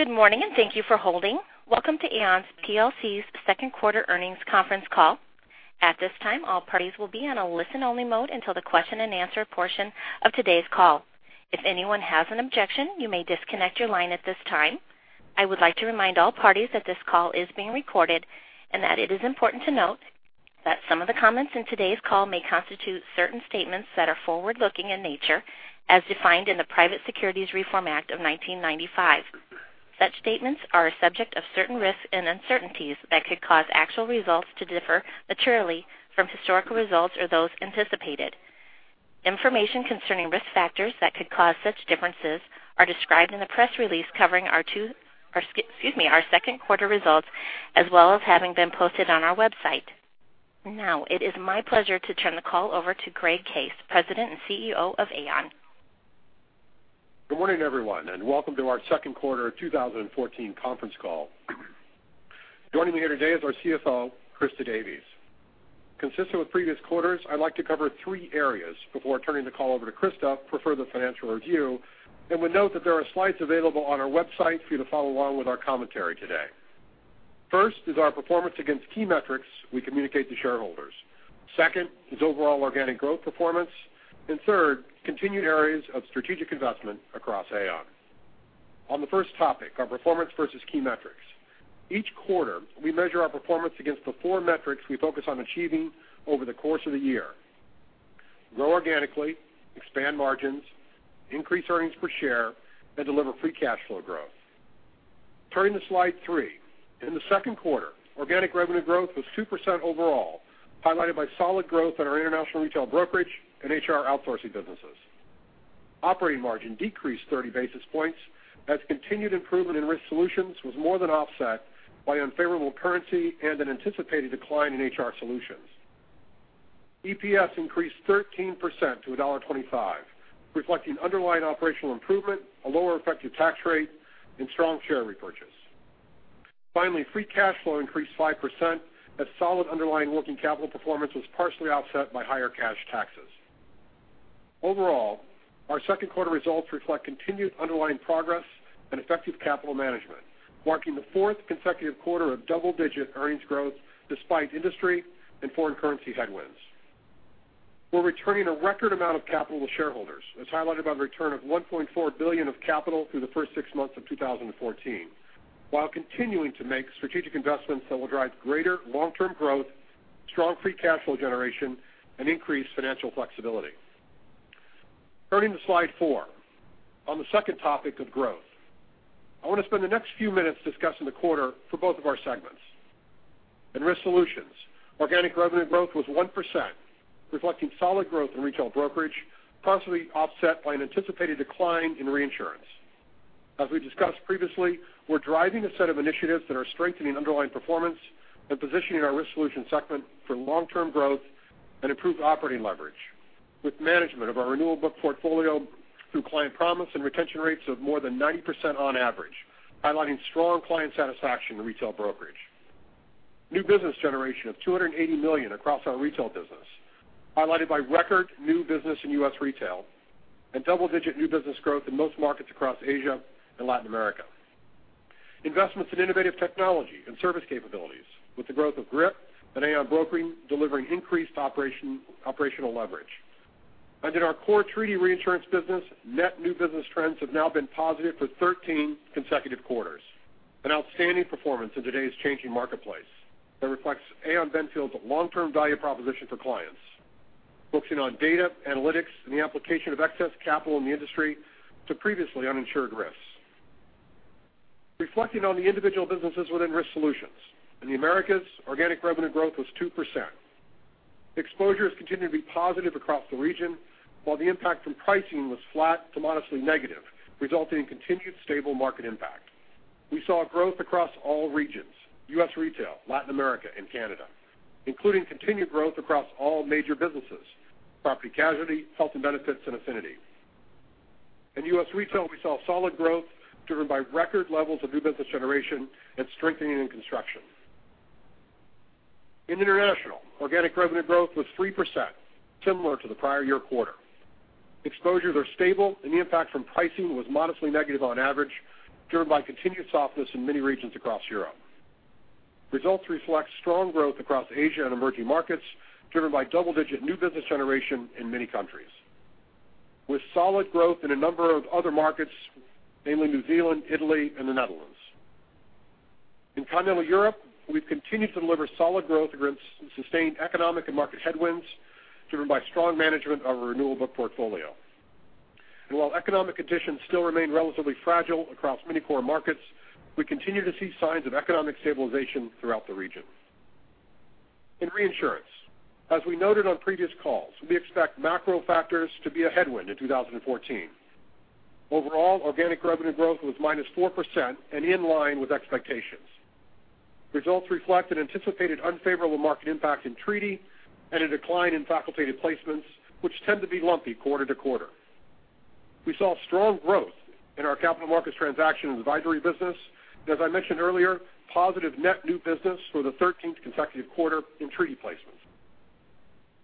Good morning, and thank you for holding. Welcome to Aon plc's second quarter earnings conference call. At this time, all parties will be on a listen-only mode until the question and answer portion of today's call. If anyone has an objection, you may disconnect your line at this time. I would like to remind all parties that this call is being recorded and that it is important to note that some of the comments in today's call may constitute certain statements that are forward-looking in nature, as defined in the Private Securities Litigation Reform Act of 1995. Such statements are a subject of certain risks and uncertainties that could cause actual results to differ materially from historical results or those anticipated. Information concerning risk factors that could cause such differences are described in the press release covering our second quarter results, as well as having been posted on our website. Now, it is my pleasure to turn the call over to Greg Case, President and Chief Executive Officer of Aon. Good morning, everyone, and welcome to our second quarter 2014 conference call. Joining me here today is our CFO, Christa Davies. Consistent with previous quarters, I'd like to cover three areas before turning the call over to Christa for further financial review and would note that there are slides available on our website for you to follow along with our commentary today. First is our performance against key metrics we communicate to shareholders. Second is overall organic growth performance. Third, continued areas of strategic investment across Aon. On the first topic, our performance versus key metrics. Each quarter, we measure our performance against the four metrics we focus on achieving over the course of the year: grow organically, expand margins, increase earnings per share, and deliver free cash flow growth. Turning to slide three. In the second quarter, organic revenue growth was 2% overall, highlighted by solid growth in our international retail brokerage and HR outsourcing businesses. Operating margin decreased 30 basis points as continued improvement in Risk Solutions was more than offset by unfavorable currency and an anticipated decline in HR Solutions. EPS increased 13% to $1.25, reflecting underlying operational improvement, a lower effective tax rate, and strong share repurchase. Finally, free cash flow increased 5% as solid underlying working capital performance was partially offset by higher cash taxes. Overall, our second quarter results reflect continued underlying progress and effective capital management, marking the fourth consecutive quarter of double-digit earnings growth despite industry and foreign currency headwinds. We're returning a record amount of capital to shareholders, as highlighted by the return of $1.4 billion of capital through the first six months of 2014, while continuing to make strategic investments that will drive greater long-term growth, strong free cash flow generation, and increased financial flexibility. Turning to slide four, on the second topic of growth. I want to spend the next few minutes discussing the quarter for both of our segments. In Risk Solutions, organic revenue growth was 1%, reflecting solid growth in Retail Brokerage, partially offset by an anticipated decline in reinsurance. As we discussed previously, we're driving a set of initiatives that are strengthening underlying performance and positioning our Risk Solutions segment for long-term growth and improved operating leverage with management of our renewal book portfolio through Client Promise and retention rates of more than 90% on average, highlighting strong client satisfaction in Retail Brokerage. New business generation of $280 million across our retail business, highlighted by record new business in US Retail and double-digit new business growth in most markets across Asia and Latin America. Investments in innovative technology and service capabilities with the growth of GRIP and Aon Broking delivering increased operational leverage. In our core treaty reinsurance business, net new business trends have now been positive for 13 consecutive quarters, an outstanding performance in today's changing marketplace that reflects Aon Benfield's long-term value proposition for clients, focusing on data, analytics, and the application of excess capital in the industry to previously uninsured risks. Reflecting on the individual businesses within Risk Solutions. In the Americas, organic revenue growth was 2%. Exposures continued to be positive across the region, while the impact from pricing was flat to modestly negative, resulting in continued stable market impact. We saw growth across all regions, US Retail, Latin America, and Canada, including continued growth across all major businesses, property casualty, health and benefits, and affinity. In US Retail, we saw solid growth driven by record levels of new business generation and strengthening in construction. In international, organic revenue growth was 3%, similar to the prior year quarter. Exposures are stable and the impact from pricing was modestly negative on average, driven by continued softness in many regions across Europe. Results reflect strong growth across Asia and emerging markets, driven by double-digit new business generation in many countries. With solid growth in a number of other markets, namely New Zealand, Italy, and the Netherlands. In Continental Europe, we've continued to deliver solid growth against sustained economic and market headwinds, driven by strong management of our renewal book portfolio. While economic conditions still remain relatively fragile across many core markets, we continue to see signs of economic stabilization throughout the region. In reinsurance, as we noted on previous calls, we expect macro factors to be a headwind in 2014. Overall, organic revenue growth was -4% and in line with expectations. Results reflect an anticipated unfavorable market impact in treaty and a decline in facultative placements, which tend to be lumpy quarter to quarter. We saw strong growth in our capital markets transaction and advisory business, and as I mentioned earlier, positive net new business for the 13th consecutive quarter in treaty placements.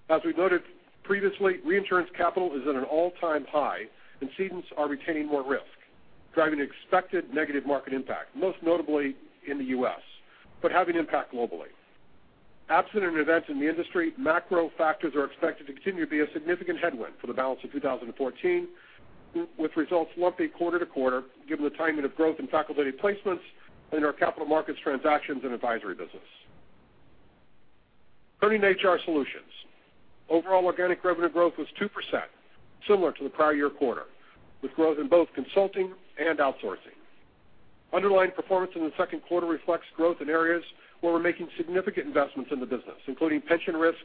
As we've noted previously, reinsurance capital is at an all-time high and cedents are retaining more risk, driving expected negative market impact, most notably in the U.S., but having impact globally. Absent of events in the industry, macro factors are expected to continue to be a significant headwind for the balance of 2014, with results lumpy quarter to quarter, given the timing of growth in facultative placements and our capital markets transactions and advisory business. Turning to HR Solutions. Overall organic revenue growth was 2%, similar to the prior year quarter, with growth in both consulting and outsourcing. Underlying performance in the second quarter reflects growth in areas where we're making significant investments in the business, including pension risk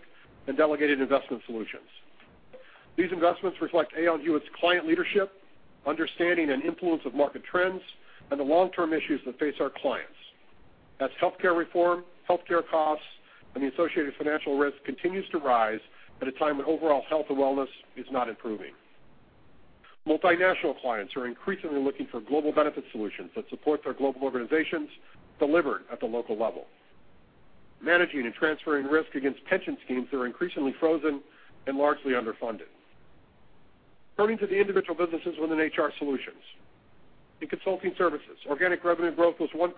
and delegated investment solutions. These investments reflect Aon U.S. client leadership, understanding and influence of market trends, and the long-term issues that face our clients. As healthcare reform, healthcare costs, and the associated financial risk continues to rise at a time when overall health and wellness is not improving. Multinational clients are increasingly looking for global benefit solutions that support their global organizations delivered at the local level. Managing and transferring risk against pension schemes that are increasingly frozen and largely underfunded. Turning to the individual businesses within HR Solutions. In consulting services, organic revenue growth was 1%,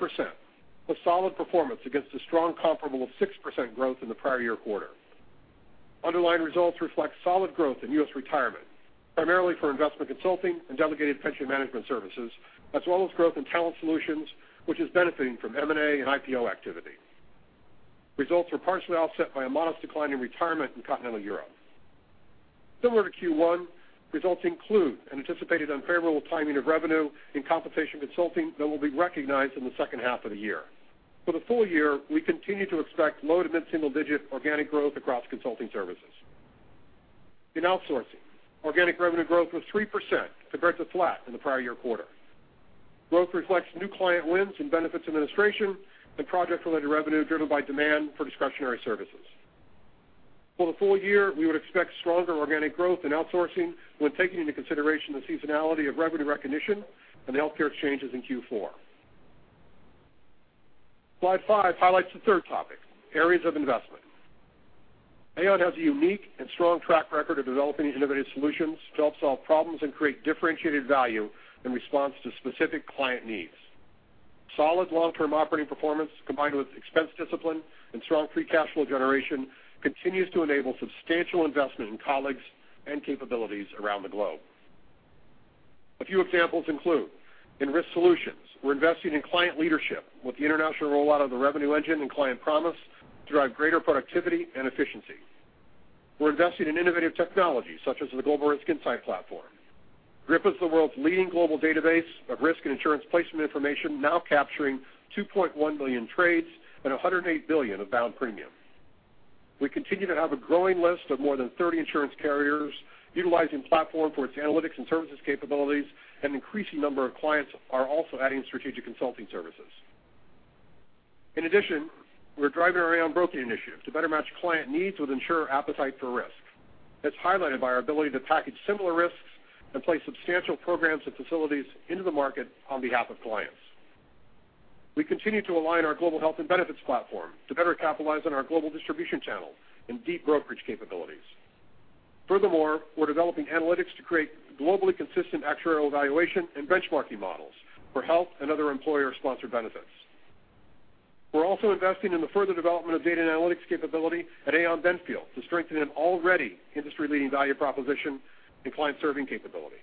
a solid performance against a strong comparable of 6% growth in the prior year quarter. Underlying results reflect solid growth in U.S. retirement, primarily for investment consulting and delegated pension management services, as well as growth in talent solutions, which is benefiting from M&A and IPO activity. Results were partially offset by a modest decline in retirement in continental Europe. Similar to Q1, results include an anticipated unfavorable timing of revenue in compensation consulting that will be recognized in the second half of the year. For the full year, we continue to expect low-to mid-single digit organic growth across consulting services. In outsourcing, organic revenue growth was 3% compared to flat in the prior year quarter. Growth reflects new client wins in Benefits Administration and project related revenue driven by demand for discretionary services. For the full year, we would expect stronger organic growth in outsourcing when taking into consideration the seasonality of revenue recognition and the healthcare exchanges in Q4. Slide five highlights the third topic, areas of investment. Aon has a unique and strong track record of developing innovative solutions to help solve problems and create differentiated value in response to specific client needs. Solid long-term operating performance, combined with expense discipline and strong free cash flow generation, continues to enable substantial investment in colleagues and capabilities around the globe. A few examples include in Risk Solutions, we're investing in client leadership with the international rollout of the Revenue Engine and Client Promise to drive greater productivity and efficiency. We're investing in innovative technology such as the Global Risk Insight Platform. GRIP is the world's leading global database of risk and insurance placement information, now capturing 2.1 million trades and $108 billion of bound premium. We continue to have a growing list of more than 30 insurance carriers utilizing the platform for its analytics and services capabilities, an increasing number of clients are also adding strategic consulting services. In addition, we're driving our Aon Broking initiatives to better match client needs with insurer appetite for risk. That's highlighted by our ability to package similar risks and place substantial programs and facilities into the market on behalf of clients. We continue to align our global health and benefits platform to better capitalize on our global distribution channel and deep brokerage capabilities. Furthermore, we're developing analytics to create globally consistent actuarial evaluation and benchmarking models for health and other employer-sponsored benefits. We're also investing in the further development of data and analytics capability at Aon Benfield to strengthen an already industry-leading value proposition and client serving capability.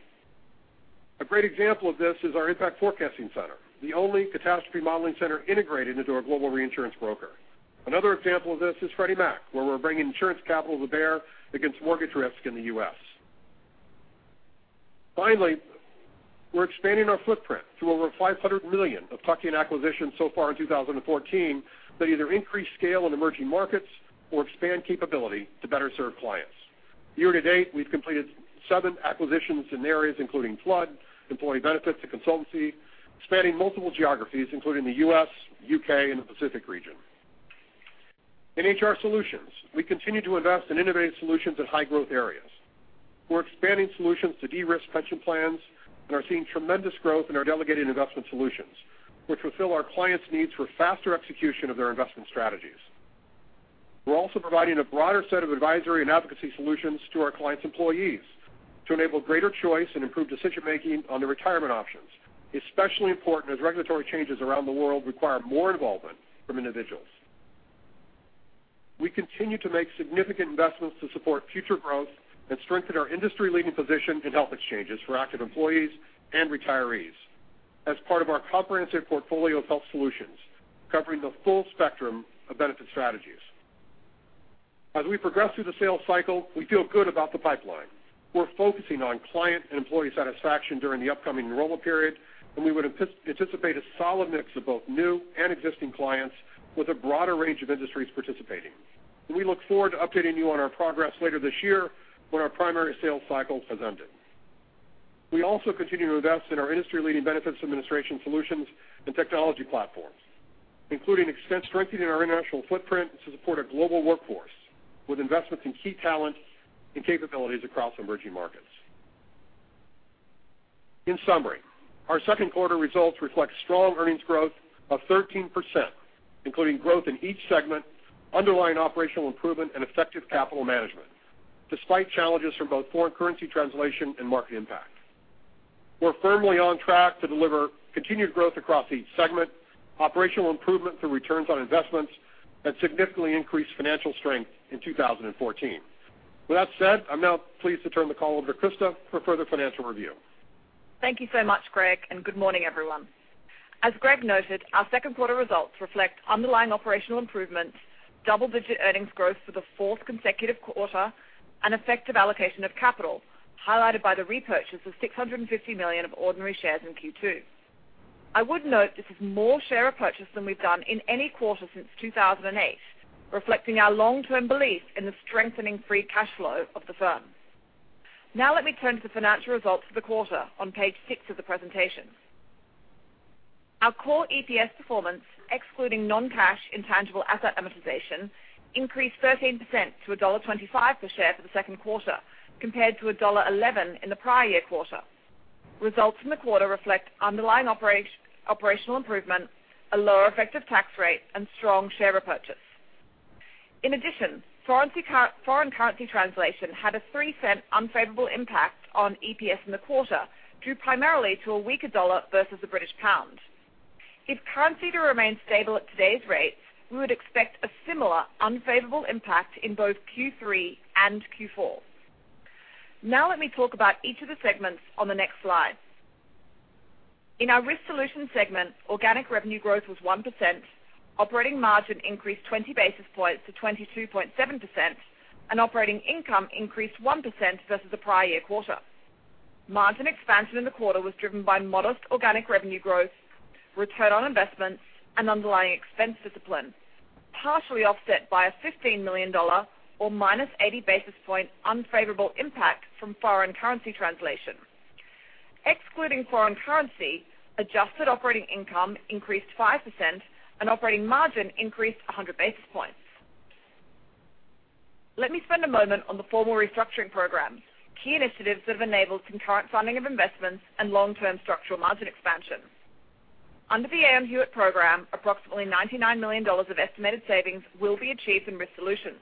A great example of this is our Impact Forecasting Center, the only catastrophe modeling center integrated into a global reinsurance broker. Another example of this is Freddie Mac, where we're bringing insurance capital to bear against mortgage risk in the U.S. Finally, we're expanding our footprint through over $500 million of tuck-in acquisitions so far in 2014, that either increase scale in emerging markets or expand capability to better serve clients. Year to date, we've completed seven acquisitions in areas including flood, employee benefits, and consultancy, spanning multiple geographies including the U.S., U.K., and the Pacific region. In HR Solutions, we continue to invest in innovative solutions in high growth areas. We're expanding solutions to de-risk pension plans and are seeing tremendous growth in our delegated investment solutions, which fulfill our clients' needs for faster execution of their investment strategies. We're also providing a broader set of advisory and advocacy solutions to our clients' employees to enable greater choice and improved decision-making on their retirement options, especially important as regulatory changes around the world require more involvement from individuals. We continue to make significant investments to support future growth and strengthen our industry-leading position in health exchanges for active employees and retirees as part of our comprehensive portfolio of health solutions, covering the full spectrum of benefit strategies. As we progress through the sales cycle, we feel good about the pipeline. We're focusing on client and employee satisfaction during the upcoming enrollment period. We would anticipate a solid mix of both new and existing clients with a broader range of industries participating. We look forward to updating you on our progress later this year when our primary sales cycle has ended. We also continue to invest in our industry leading Benefits Administration solutions and technology platforms, including strength in our international footprint to support a global workforce with investments in key talent and capabilities across emerging markets. In summary, our second quarter results reflect strong earnings growth of 13%, including growth in each segment, underlying operational improvement, and effective capital management, despite challenges from both foreign currency translation and market impact. We're firmly on track to deliver continued growth across each segment, operational improvement through returns on investments, and significantly increased financial strength in 2014. With that said, I'm now pleased to turn the call over to Christa for further financial review. Thank you so much, Greg, and good morning, everyone. As Greg noted, our second quarter results reflect underlying operational improvements, double-digit earnings growth for the fourth consecutive quarter, and effective allocation of capital, highlighted by the repurchase of $650 million of ordinary shares in Q2. I would note this is more share repurchased than we've done in any quarter since 2008, reflecting our long-term belief in the strengthening free cash flow of the firm. Let me turn to the financial results for the quarter on page six of the presentation. Our core EPS performance, excluding non-cash intangible asset amortization, increased 13% to $1.25 per share for the second quarter, compared to $1.11 in the prior year quarter. Results from the quarter reflect underlying operational improvement, a lower effective tax rate, and strong share repurchase. In addition, foreign currency translation had a $0.03 unfavorable impact on EPS in the quarter, due primarily to a weaker dollar versus the British pound. If currency were to remain stable at today's rates, we would expect a similar unfavorable impact in both Q3 and Q4. Let me talk about each of the segments on the next slide. In our Risk Solutions segment, organic revenue growth was 1%, operating margin increased 20 basis points to 22.7%, and operating income increased 1% versus the prior year quarter. Margin expansion in the quarter was driven by modest organic revenue growth, return on investments, and underlying expense discipline, partially offset by a $15 million, or minus 80 basis point unfavorable impact from foreign currency translation. Excluding foreign currency, adjusted operating income increased 5% and operating margin increased 100 basis points. Let me spend a moment on the formal restructuring program, key initiatives that have enabled concurrent funding of investments and long-term structural margin expansion. Under the Aon Hewitt program, approximately $99 million of estimated savings will be achieved in Risk Solutions.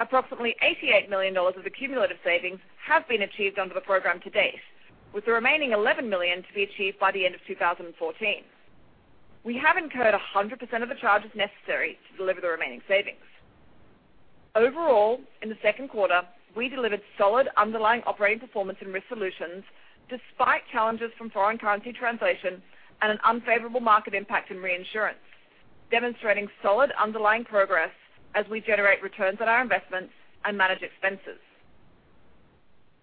Approximately $88 million of accumulative savings have been achieved under the program to date, with the remaining $11 million to be achieved by the end of 2014. We have incurred 100% of the charges necessary to deliver the remaining savings. Overall, in the second quarter, we delivered solid underlying operating performance in Risk Solutions despite challenges from foreign currency translation and an unfavorable market impact in reinsurance, demonstrating solid underlying progress as we generate returns on our investments and manage expenses.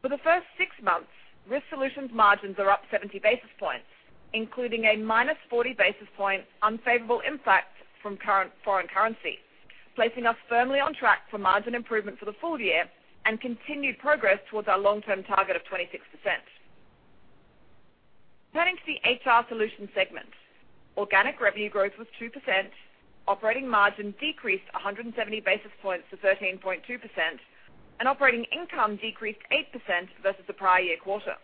For the first six months, Risk Solutions margins are up 70 basis points, including a minus 40 basis point unfavorable impact from current foreign currency, placing us firmly on track for margin improvement for the full year and continued progress towards our long-term target of 26%. Turning to the HR Solutions segment. Organic revenue growth was 2%, operating margin decreased 170 basis points to 13.2%, and operating income decreased 8% versus the prior year quarter.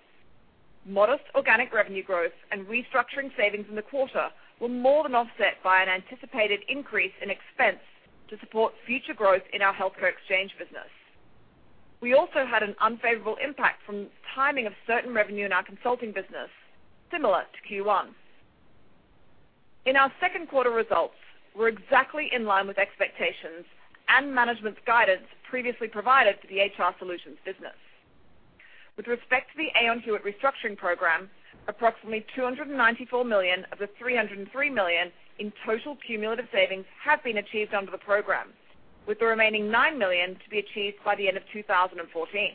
Modest organic revenue growth and restructuring savings in the quarter were more than offset by an anticipated increase in expense to support future growth in our healthcare exchange business. We also had an unfavorable impact from the timing of certain revenue in our consulting business, similar to Q1. Our second quarter results were exactly in line with expectations and management's guidance previously provided to the HR Solutions business. With respect to the Aon Hewitt restructuring program, approximately $294 million of the $303 million in total cumulative savings have been achieved under the program, with the remaining $9 million to be achieved by the end of 2014.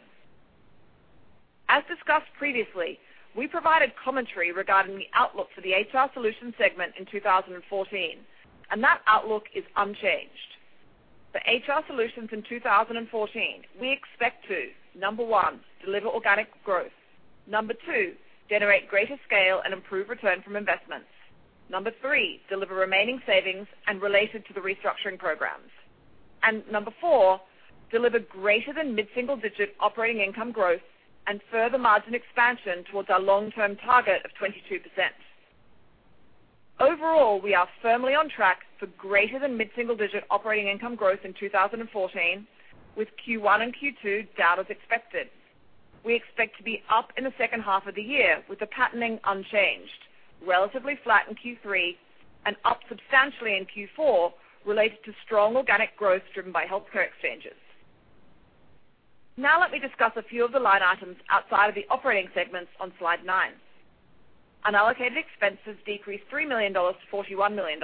As discussed previously, we provided commentary regarding the outlook for the HR Solutions segment in 2014. That outlook is unchanged. For HR Solutions in 2014, we expect to, Number one, deliver organic growth. Number two, generate greater scale and improve return from investments. Number three, deliver remaining savings related to the restructuring programs. Number four, deliver greater than mid-single digit operating income growth and further margin expansion towards our long-term target of 22%. Overall, we are firmly on track for greater than mid-single digit operating income growth in 2014, with Q1 and Q2 down as expected. We expect to be up in the second half of the year with the patterning unchanged, relatively flat in Q3, up substantially in Q4, related to strong organic growth driven by healthcare exchanges. Now let me discuss a few of the line items outside of the operating segments on slide nine. Unallocated expenses decreased $3 million to $41 million.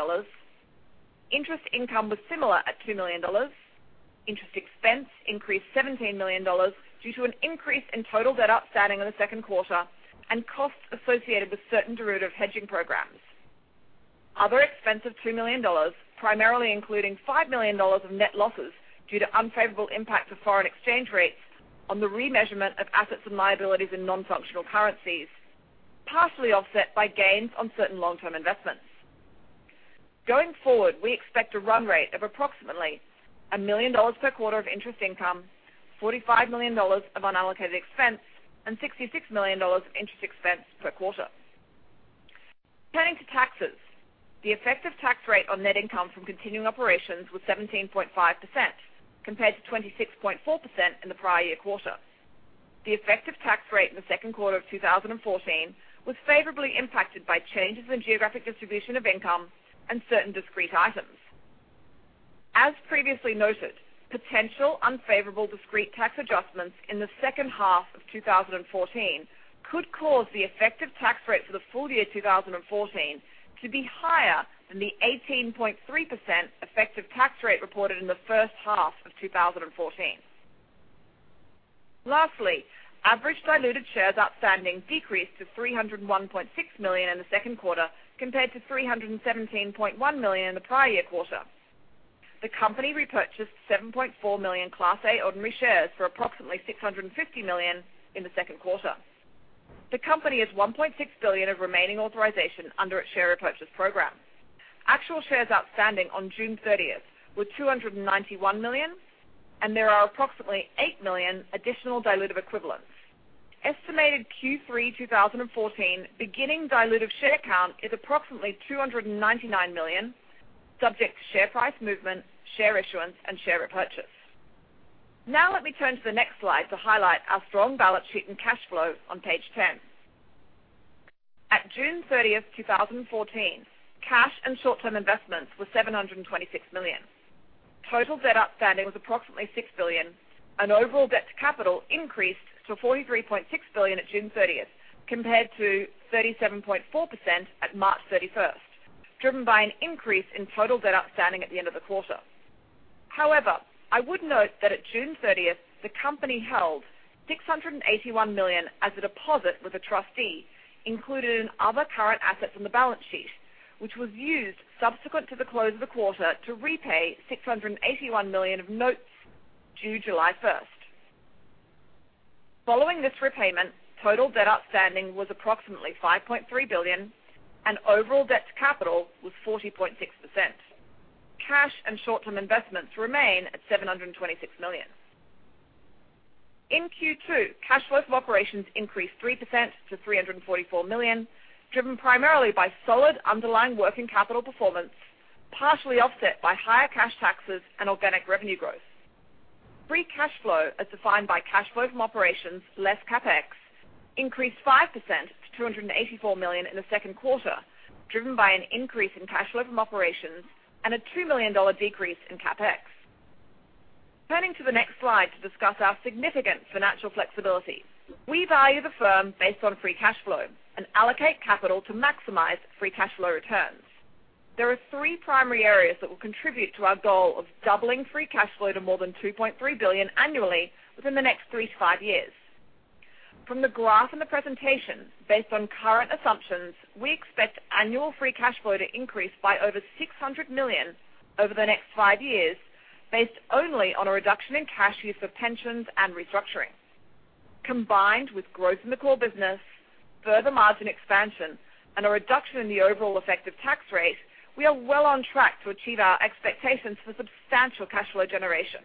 Interest income was similar at $2 million. Interest expense increased $17 million due to an increase in total debt outstanding in the second quarter and costs associated with certain derivative hedging programs. Other expenses, $2 million, primarily including $5 million of net losses due to unfavorable impacts of foreign exchange rates on the remeasurement of assets and liabilities in non-functional currencies, partially offset by gains on certain long-term investments. Going forward, we expect a run rate of approximately $1 million per quarter of interest income, $45 million of unallocated expense, and $66 million of interest expense per quarter. Turning to taxes, the effective tax rate on net income from continuing operations was 17.5% compared to 26.4% in the prior year quarter. The effective tax rate in the second quarter of 2014 was favorably impacted by changes in geographic distribution of income and certain discrete items. As previously noted, potential unfavorable discrete tax adjustments in the second half of 2014 could cause the effective tax rate for the full year 2014 to be higher than the 18.3% effective tax rate reported in the first half of 2014. Lastly, average diluted shares outstanding decreased to 301.6 million in the second quarter compared to 317.1 million in the prior year quarter. The company repurchased 7.4 million Class A ordinary shares for approximately $650 million in the second quarter. The company has $1.6 billion of remaining authorization under its share repurchase program. Actual shares outstanding on June 30th were 291 million. There are approximately 8 million additional dilutive equivalents. Estimated Q3 2014 beginning dilutive share count is approximately 299 million, subject to share price movement, share issuance and share repurchase. Now let me turn to the next slide to highlight our strong balance sheet and cash flow on page 10. At June 30th, 2014, cash and short-term investments were $726 million. Total debt outstanding was approximately $6 billion. Overall debt to capital increased to 43.6% at June 30th, compared to 37.4% at March 31st, driven by an increase in total debt outstanding at the end of the quarter. However, I would note that at June 30th, the company held $681 million as a deposit with a trustee, included in other current assets on the balance sheet, which was used subsequent to the close of the quarter to repay $681 million of notes due July 1st. Following this repayment, total debt outstanding was approximately $5.3 billion and overall debt to capital was 40.6%. Cash and short-term investments remain at $726 million. In Q2, cash flow from operations increased 3% to $344 million, driven primarily by solid underlying working capital performance, partially offset by higher cash taxes and organic revenue growth. Free cash flow, as defined by cash flow from operations less CapEx, increased 5% to $284 million in the second quarter, driven by an increase in cash flow from operations and a $2 million decrease in CapEx. Turning to the next slide to discuss our significant financial flexibility. We value the firm based on free cash flow and allocate capital to maximize free cash flow returns. There are three primary areas that will contribute to our goal of doubling free cash flow to more than $2.3 billion annually within the next three to five years. From the graph in the presentation, based on current assumptions, we expect annual free cash flow to increase by over $600 million over the next five years, based only on a reduction in cash use for pensions and restructuring. Combined with growth in the core business, further margin expansion, and a reduction in the overall effective tax rate, we are well on track to achieve our expectations for substantial cash flow generation.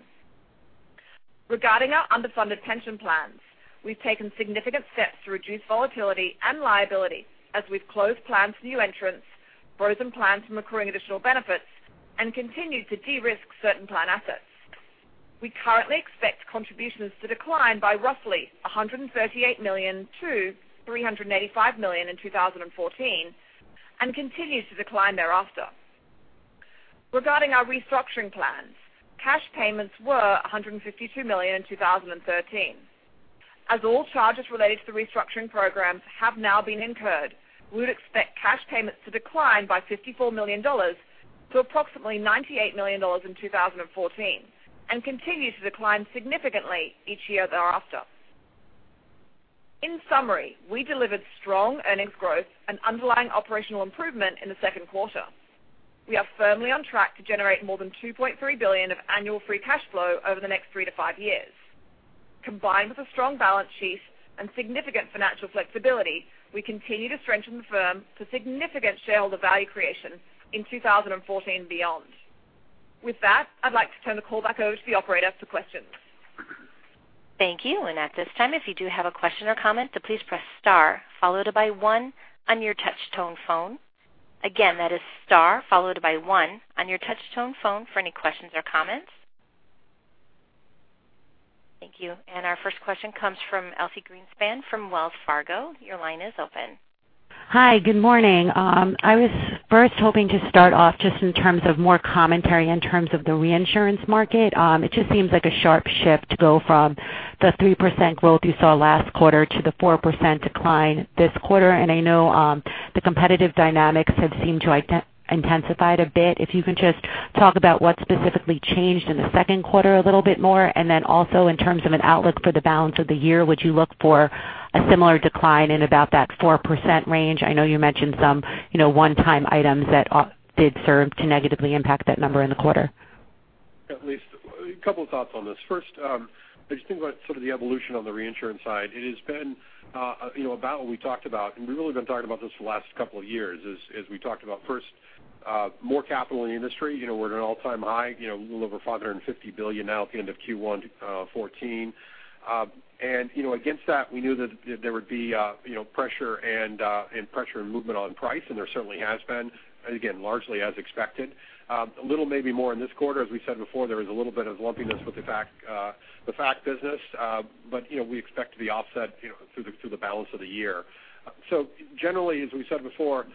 Regarding our underfunded pension plans, we've taken significant steps to reduce volatility and liability as we've closed plans to new entrants, frozen plans from accruing additional benefits, and continued to de-risk certain plan assets. We currently expect contributions to decline by roughly $138 million-$385 million in 2014, and continue to decline thereafter. Regarding our restructuring plans, cash payments were $152 million in 2013. As all charges related to the restructuring programs have now been incurred, we would expect cash payments to decline by $54 million to approximately $98 million in 2014, and continue to decline significantly each year thereafter. In summary, we delivered strong earnings growth and underlying operational improvement in the second quarter. We are firmly on track to generate more than $2.3 billion of annual free cash flow over the next three to five years. Combined with a strong balance sheet and significant financial flexibility, we continue to strengthen the firm for significant shareholder value creation in 2014 and beyond. With that, I'd like to turn the call back over to the operator for questions. Thank you. At this time, if you do have a question or comment, please press star followed by one on your touch tone phone. Again, that is star followed by one on your touch tone phone for any questions or comments. Thank you. Our first question comes from Elyse Greenspan from Wells Fargo. Your line is open. Hi, good morning. I was first hoping to start off just in terms of more commentary in terms of the reinsurance market. It just seems like a sharp shift to go from the 3% growth you saw last quarter to the 4% decline this quarter, and I know the competitive dynamics have seemed to have intensified a bit. If you can just talk about what specifically changed in the second quarter a little bit more, and then also in terms of an outlook for the balance of the year, would you look for a similar decline in about that 4% range? I know you mentioned some one-time items that did serve to negatively impact that number in the quarter. Yeah, Elyse, a couple of thoughts on this. First, I just think about the evolution on the reinsurance side. It has been about what we talked about, we've really been talking about this for the last couple of years as we talked about first, more capital in the industry. We're at an all-time high, a little over $550 billion now at the end of Q1 2014. Against that, we knew that there would be pressure and movement on price, there certainly has been, again, largely as expected. A little maybe more in this quarter. As we said before, there was a little bit of lumpiness with the fac business. We expect to be offset through the balance of the year. Generally, as we said before,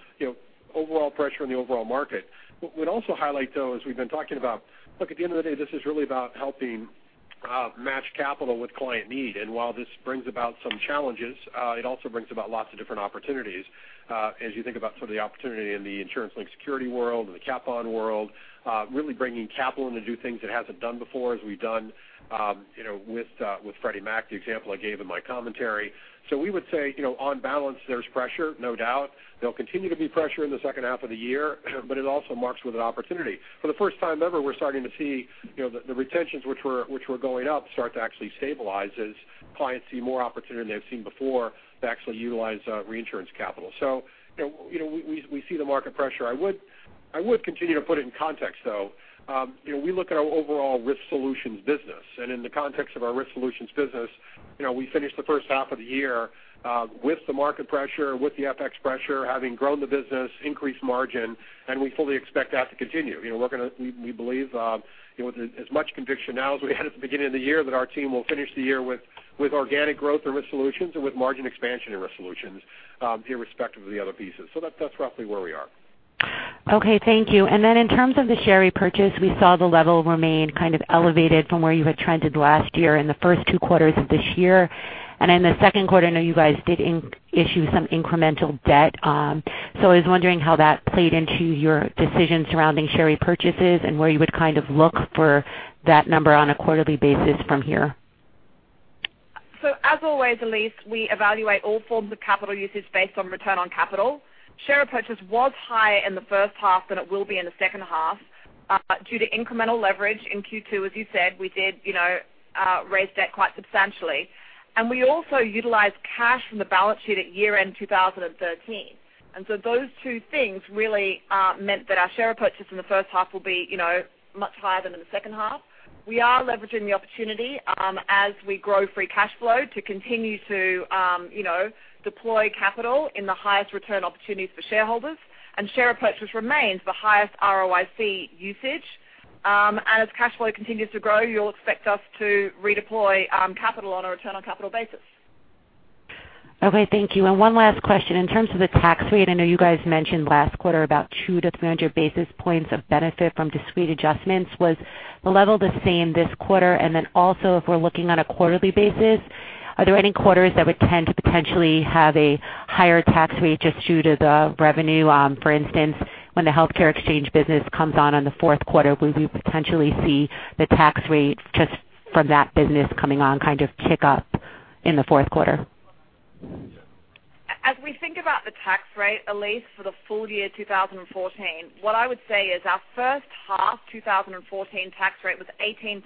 overall pressure on the overall market. What we'd also highlight, though, as we've been talking about, look, at the end of the day, this is really about helping match capital with client need. While this brings about some challenges, it also brings about lots of different opportunities. As you think about the opportunity in the insurance-linked security world and the cat bond world, really bringing capital in to do things it hasn't done before, as we've done with Freddie Mac, the example I gave in my commentary. We would say, on balance, there's pressure, no doubt. There'll continue to be pressure in the second half of the year, but it also marks with an opportunity. For the first time ever, we're starting to see the retentions which were going up, start to actually stabilize as clients see more opportunity than they've seen before to actually utilize reinsurance capital. We see the market pressure. I would continue to put it in context, though. We look at our overall Risk Solutions business, and in the context of our Risk Solutions business, we finished the first half of the year with the market pressure, with the FX pressure, having grown the business, increased margin, and we fully expect that to continue. We believe with as much conviction now as we had at the beginning of the year that our team will finish the year with organic growth and Risk Solutions and with margin expansion and Risk Solutions, irrespective of the other pieces. That's roughly where we are. Okay. Thank you. In terms of the share repurchase, we saw the level remain kind of elevated from where you had trended last year in the first two quarters of this year. In the second quarter, I know you guys did issue some incremental debt. I was wondering how that played into your decision surrounding share repurchases and where you would kind of look for that number on a quarterly basis from here. As always, Elyse, we evaluate all forms of capital usage based on return on capital. Share repurchase was higher in the first half than it will be in the second half due to incremental leverage in Q2, as you said, we did raise debt quite substantially. We also utilized cash from the balance sheet at year-end 2013. Those two things really meant that our share repurchase in the first half will be much higher than in the second half. We are leveraging the opportunity as we grow free cash flow to continue to deploy capital in the highest return opportunities for shareholders, and share repurchase remains the highest ROIC usage. As cash flow continues to grow, you'll expect us to redeploy capital on a return on capital basis. Okay, thank you. One last question. In terms of the tax rate, I know you guys mentioned last quarter about 200 to 300 basis points of benefit from discrete adjustments. Was the level the same this quarter? Also, if we're looking on a quarterly basis, are there any quarters that would tend to potentially have a higher tax rate just due to the revenue? For instance, when the healthcare exchange business comes on in the fourth quarter, will we potentially see the tax rate just from that business coming on kind of tick up in the fourth quarter? As we think about the tax rate, Elyse, for the full year 2014, what I would say is our first half 2014 tax rate was 18.3%.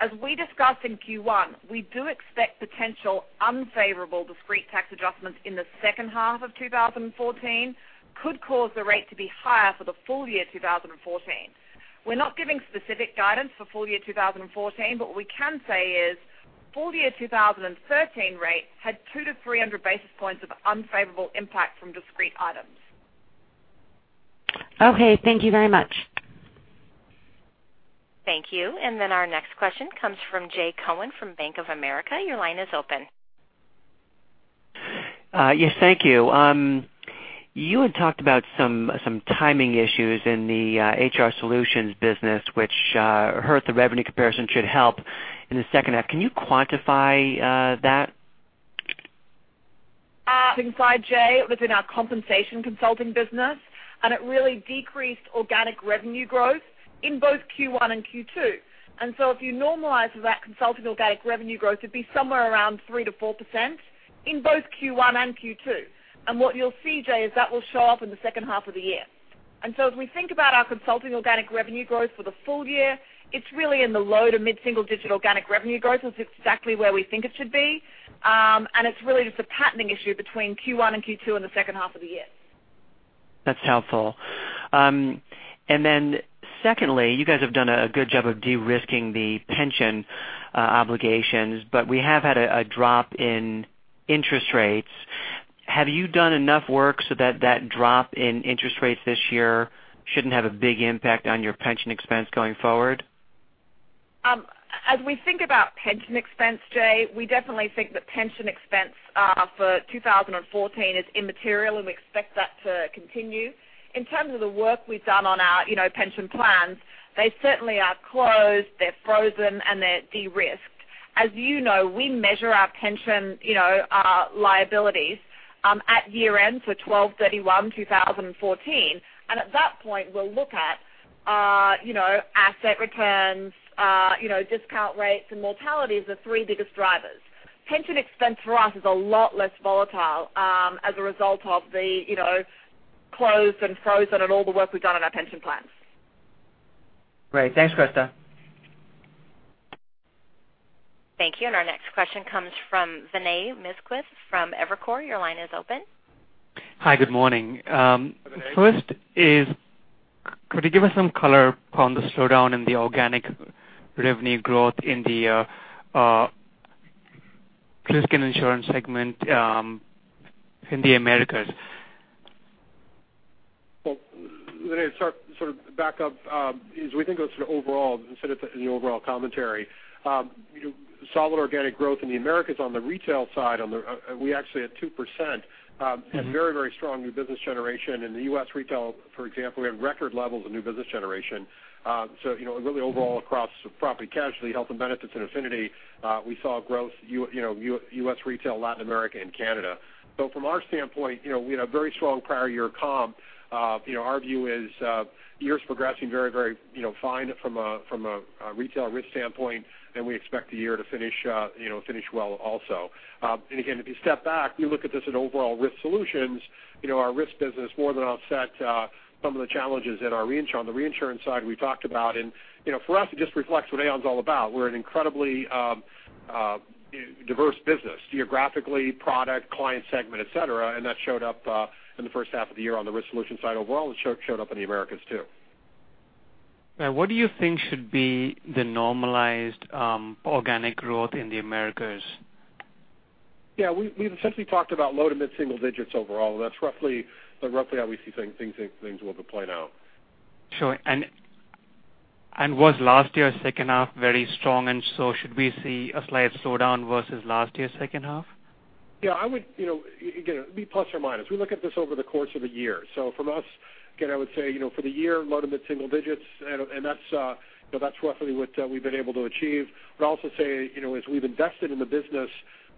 As we discussed in Q1, we do expect potential unfavorable discrete tax adjustments in the second half of 2014 could cause the rate to be higher for the full year 2014. We're not giving specific guidance for full year 2014, but what we can say is full year 2013 rate had two to 300 basis points of unfavorable impact from discrete items. Okay, thank you very much. Thank you. Our next question comes from Jay Cohen from Bank of America. Your line is open. Yes, thank you. You had talked about some timing issues in the HR Solutions business, which hurt the revenue comparison should help in the second half. Can you quantify that? Inside, Jay, it was in our compensation consulting business, it really decreased organic revenue growth in both Q1 and Q2. If you normalize for that consulting organic revenue growth, it'd be somewhere around 3%-4% in both Q1 and Q2. What you'll see, Jay, is that will show up in the second half of the year. As we think about our consulting organic revenue growth for the full year, it's really in the low to mid-single digit organic revenue growth, so it's exactly where we think it should be. It's really just a patterning issue between Q1 and Q2 and the second half of the year. That's helpful. Secondly, you guys have done a good job of de-risking the pension obligations, we have had a drop in interest rates. Have you done enough work so that drop in interest rates this year shouldn't have a big impact on your pension expense going forward? As we think about pension expense, Jay, we definitely think that pension expense for 2014 is immaterial, and we expect that to continue. In terms of the work we've done on our pension plans, they certainly are closed, they're frozen, and they're de-risked. As you know, we measure our pension liabilities at year-end, so 12/31/2014. At that point, we'll look at asset returns, discount rates, and mortality as the three biggest drivers. Pension expense for us is a lot less volatile as a result of the closed and frozen and all the work we've done on our pension plans. Great. Thanks, Christa. Thank you. Our next question comes from Vinay Misquith from Evercore. Your line is open. Hi, good morning. Vinay? First is, could you give us some color on the slowdown in the organic revenue growth in the critical insurance segment in the Americas? Well, Vinay, to sort of back up is we think of sort of overall, instead of the overall commentary, solid organic growth in the Americas on the retail side, we actually had 2% and very strong new business generation in the U.S. retail, for example, we had record levels of new business generation. Really overall across property casualty, health and benefits and affinity, we saw growth, U.S. retail, Latin America and Canada. From our standpoint, we had a very strong prior year comp. Our view is the year's progressing very fine from a retail risk standpoint, and we expect the year to finish well also. Again, if you step back, you look at this at overall Risk Solutions, our risk business more than offset some of the challenges on the reinsurance side we talked about. For us, it just reflects what Aon's all about. We're an incredibly diverse business, geographically, product, client segment, et cetera, and that showed up in the first half of the year on the Risk Solutions side overall, and showed up in the Americas, too. Now, what do you think should be the normalized organic growth in the Americas? Yeah, we've essentially talked about low to mid-single digits overall. That's roughly how we see things will play out. Sure. Was last year's second half very strong, should we see a slight slowdown versus last year's second half? Yeah, I would, again, it would be plus or minus. We look at this over the course of a year. From us, again, I would say, for the year, low to mid-single digits, and that's roughly what we've been able to achieve. I would also say, as we've invested in the business,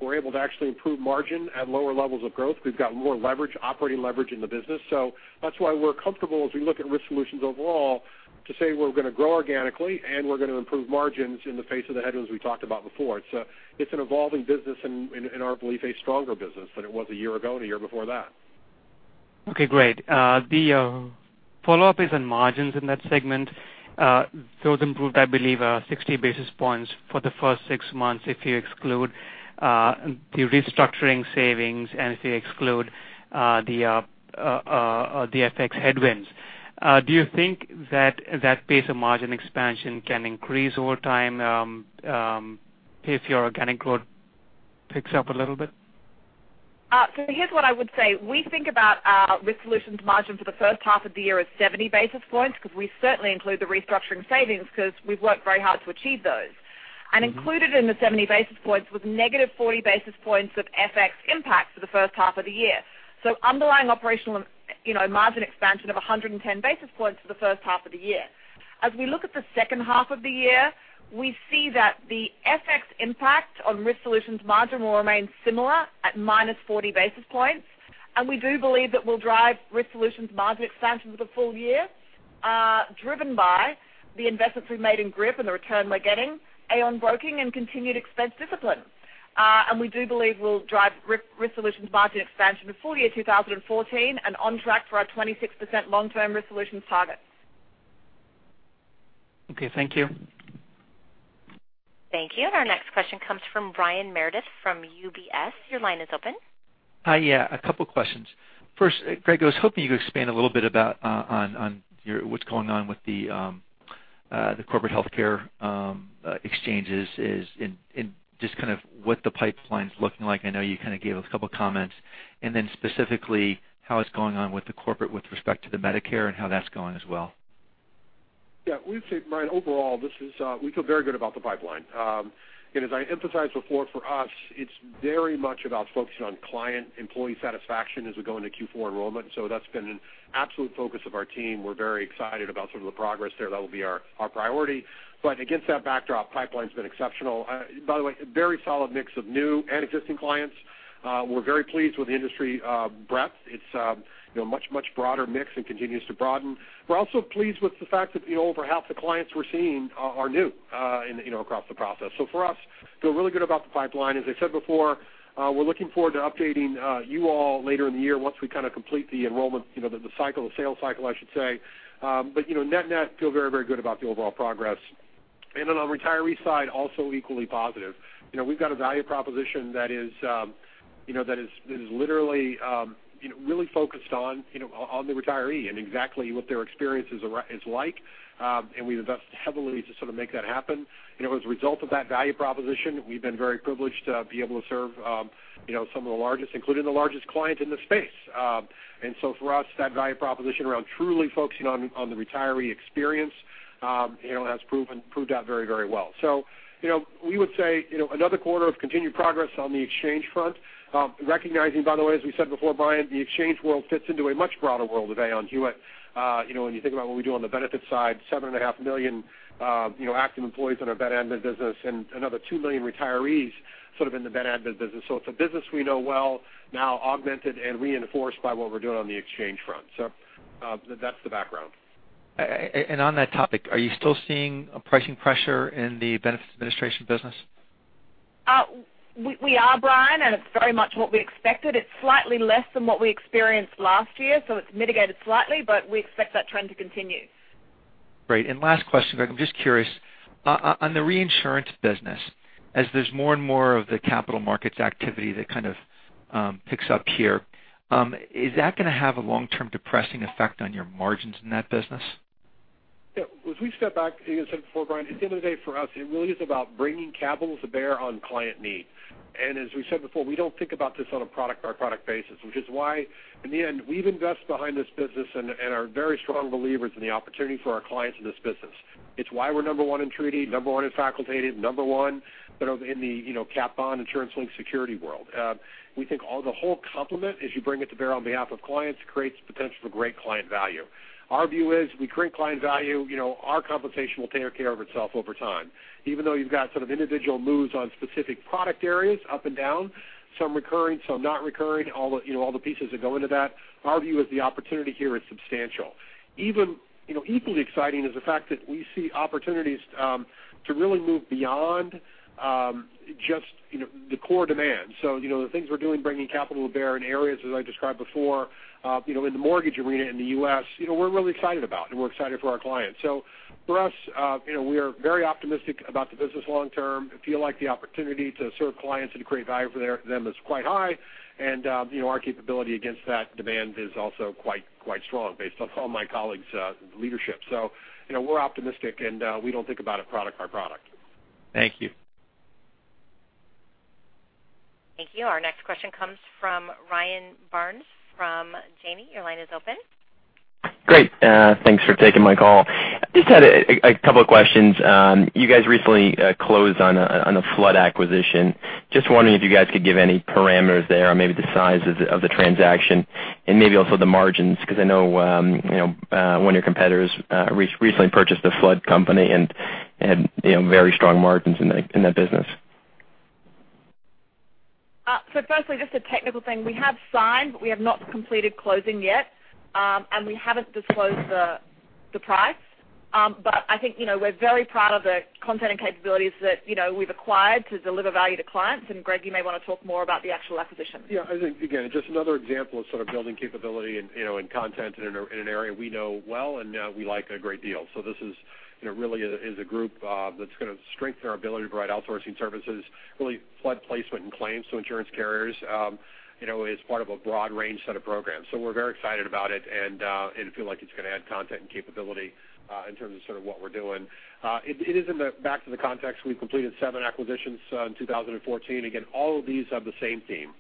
we're able to actually improve margin at lower levels of growth. We've got more leverage, operating leverage in the business. That's why we're comfortable as we look at Risk Solutions overall to say we're going to grow organically, and we're going to improve margins in the face of the headwinds we talked about before. It's an evolving business and, in our belief, a stronger business than it was a year ago and a year before that. Okay, great. The follow-up is on margins in that segment. Those improved, I believe, 60 basis points for the first six months if you exclude the restructuring savings and if you exclude the FX headwinds. Do you think that pace of margin expansion can increase over time if your organic growth picks up a little bit? Here's what I would say. We think about our Risk Solutions margin for the first half of the year as 70 basis points because we certainly include the restructuring savings because we've worked very hard to achieve those. Included in the 70 basis points was negative 40 basis points of FX impact for the first half of the year. Underlying operational margin expansion of 110 basis points for the first half of the year. As we look at the second half of the year, we see that the FX impact on Risk Solutions margin will remain similar at minus 40 basis points. We do believe that we'll drive Risk Solutions margin expansion for the full year, driven by the investments we've made in GRIP and the return we're getting, Aon Broking, and continued expense discipline. We do believe we'll drive Risk Solutions margin expansion for full year 2014 and on track for our 26% long-term Risk Solutions targets. Okay, thank you. Thank you. Our next question comes from Brian Meredith from UBS. Your line is open. Hi. A couple questions. First, Greg, I was hoping you could expand a little bit about what's going on with the corporate healthcare exchanges and just kind of what the pipeline's looking like. I know you kind of gave a couple comments. Then specifically, how it's going on with the corporate with respect to the Medicare and how that's going as well. We'd say, Brian, overall, we feel very good about the pipeline. Again, as I emphasized before, for us, it's very much about focusing on client employee satisfaction as we go into Q4 enrollment. That's been an absolute focus of our team. We're very excited about some of the progress there. That'll be our priority. Against that backdrop, pipeline's been exceptional. Very solid mix of new and existing clients. We're very pleased with the industry breadth. It's a much broader mix and continues to broaden. We're also pleased with the fact that over half the clients we're seeing are new across the process. For us, feel really good about the pipeline. As I said before, we're looking forward to updating you all later in the year once we kind of complete the enrollment, the sales cycle, I should say. Net-net, feel very good about the overall progress. On the retiree side, also equally positive. We've got a value proposition that is literally really focused on the retiree and exactly what their experience is like. We've invested heavily to sort of make that happen. As a result of that value proposition, we've been very privileged to be able to serve some of the largest, including the largest client in the space. For us, that value proposition around truly focusing on the retiree experience has proved out very well. We would say another quarter of continued progress on the exchange front. Recognizing, by the way, as we said before, Brian, the exchange world fits into a much broader world of Aon Hewitt. When you think about what we do on the benefits side, 7.5 million active employees in our Benefits Administration business and another 2 million retirees sort of in the Benefits Administration business. It's a business we know well now augmented and reinforced by what we're doing on the exchange front. That's the background. On that topic, are you still seeing pricing pressure in the Benefits Administration business? We are, Brian, it's very much what we expected. It's slightly less than what we experienced last year, it's mitigated slightly, but we expect that trend to continue. Great. Last question, Greg. I'm just curious, on the reinsurance business, as there's more and more of the capital markets activity that kind of picks up here, is that going to have a long-term depressing effect on your margins in that business? Yeah. As we step back, as I said before, Brian, at the end of the day, for us, it really is about bringing capital to bear on client need. As we said before, we don't think about this on a product-by-product basis, which is why in the end, we've invested behind this business and are very strong believers in the opportunity for our clients in this business. It's why we're number one in treaty, number one in facultative, number one in the cat bond, insurance-linked security world. We think the whole complement, as you bring it to bear on behalf of clients, creates potential for great client value. Our view is we create client value, our compensation will take care of itself over time. Even though you've got sort of individual moves on specific product areas up and down, some recurring, some not recurring, all the pieces that go into that, our view is the opportunity here is substantial. Equally exciting is the fact that we see opportunities to really move beyond just the core demand. The things we're doing, bringing capital to bear in areas, as I described before in the mortgage arena in the U.S., we're really excited about, and we're excited for our clients. For us, we are very optimistic about the business long term. We feel like the opportunity to serve clients and create value for them is quite high. Our capability against that demand is also quite strong based on all my colleagues' leadership. We're optimistic, and we don't think about it product-by-product. Thank you. Thank you. Our next question comes from Ryan Byrnes from Janney. Your line is open. Great. Thanks for taking my call. Just had a couple of questions. You guys recently closed on the Flood acquisition. Just wondering if you guys could give any parameters there or maybe the size of the transaction and maybe also the margins, because I know one of your competitors recently purchased a flood company and had very strong margins in that business. Firstly, just a technical thing. We have signed, but we have not completed closing yet. We haven't disclosed the price. I think we're very proud of the content and capabilities that we've acquired to deliver value to clients. Greg, you may want to talk more about the actual acquisition. Yeah. I think, again, just another example of sort of building capability and content in an area we know well and that we like a great deal. This really is a group that's going to strengthen our ability to provide outsourcing services, really flood placement and claims to insurance carriers, as part of a broad range set of programs. We're very excited about it, and feel like it's going to add content and capability in terms of sort of what we're doing. It is in the back of the context, we completed seven acquisitions in 2014. Again, all of these have the same theme.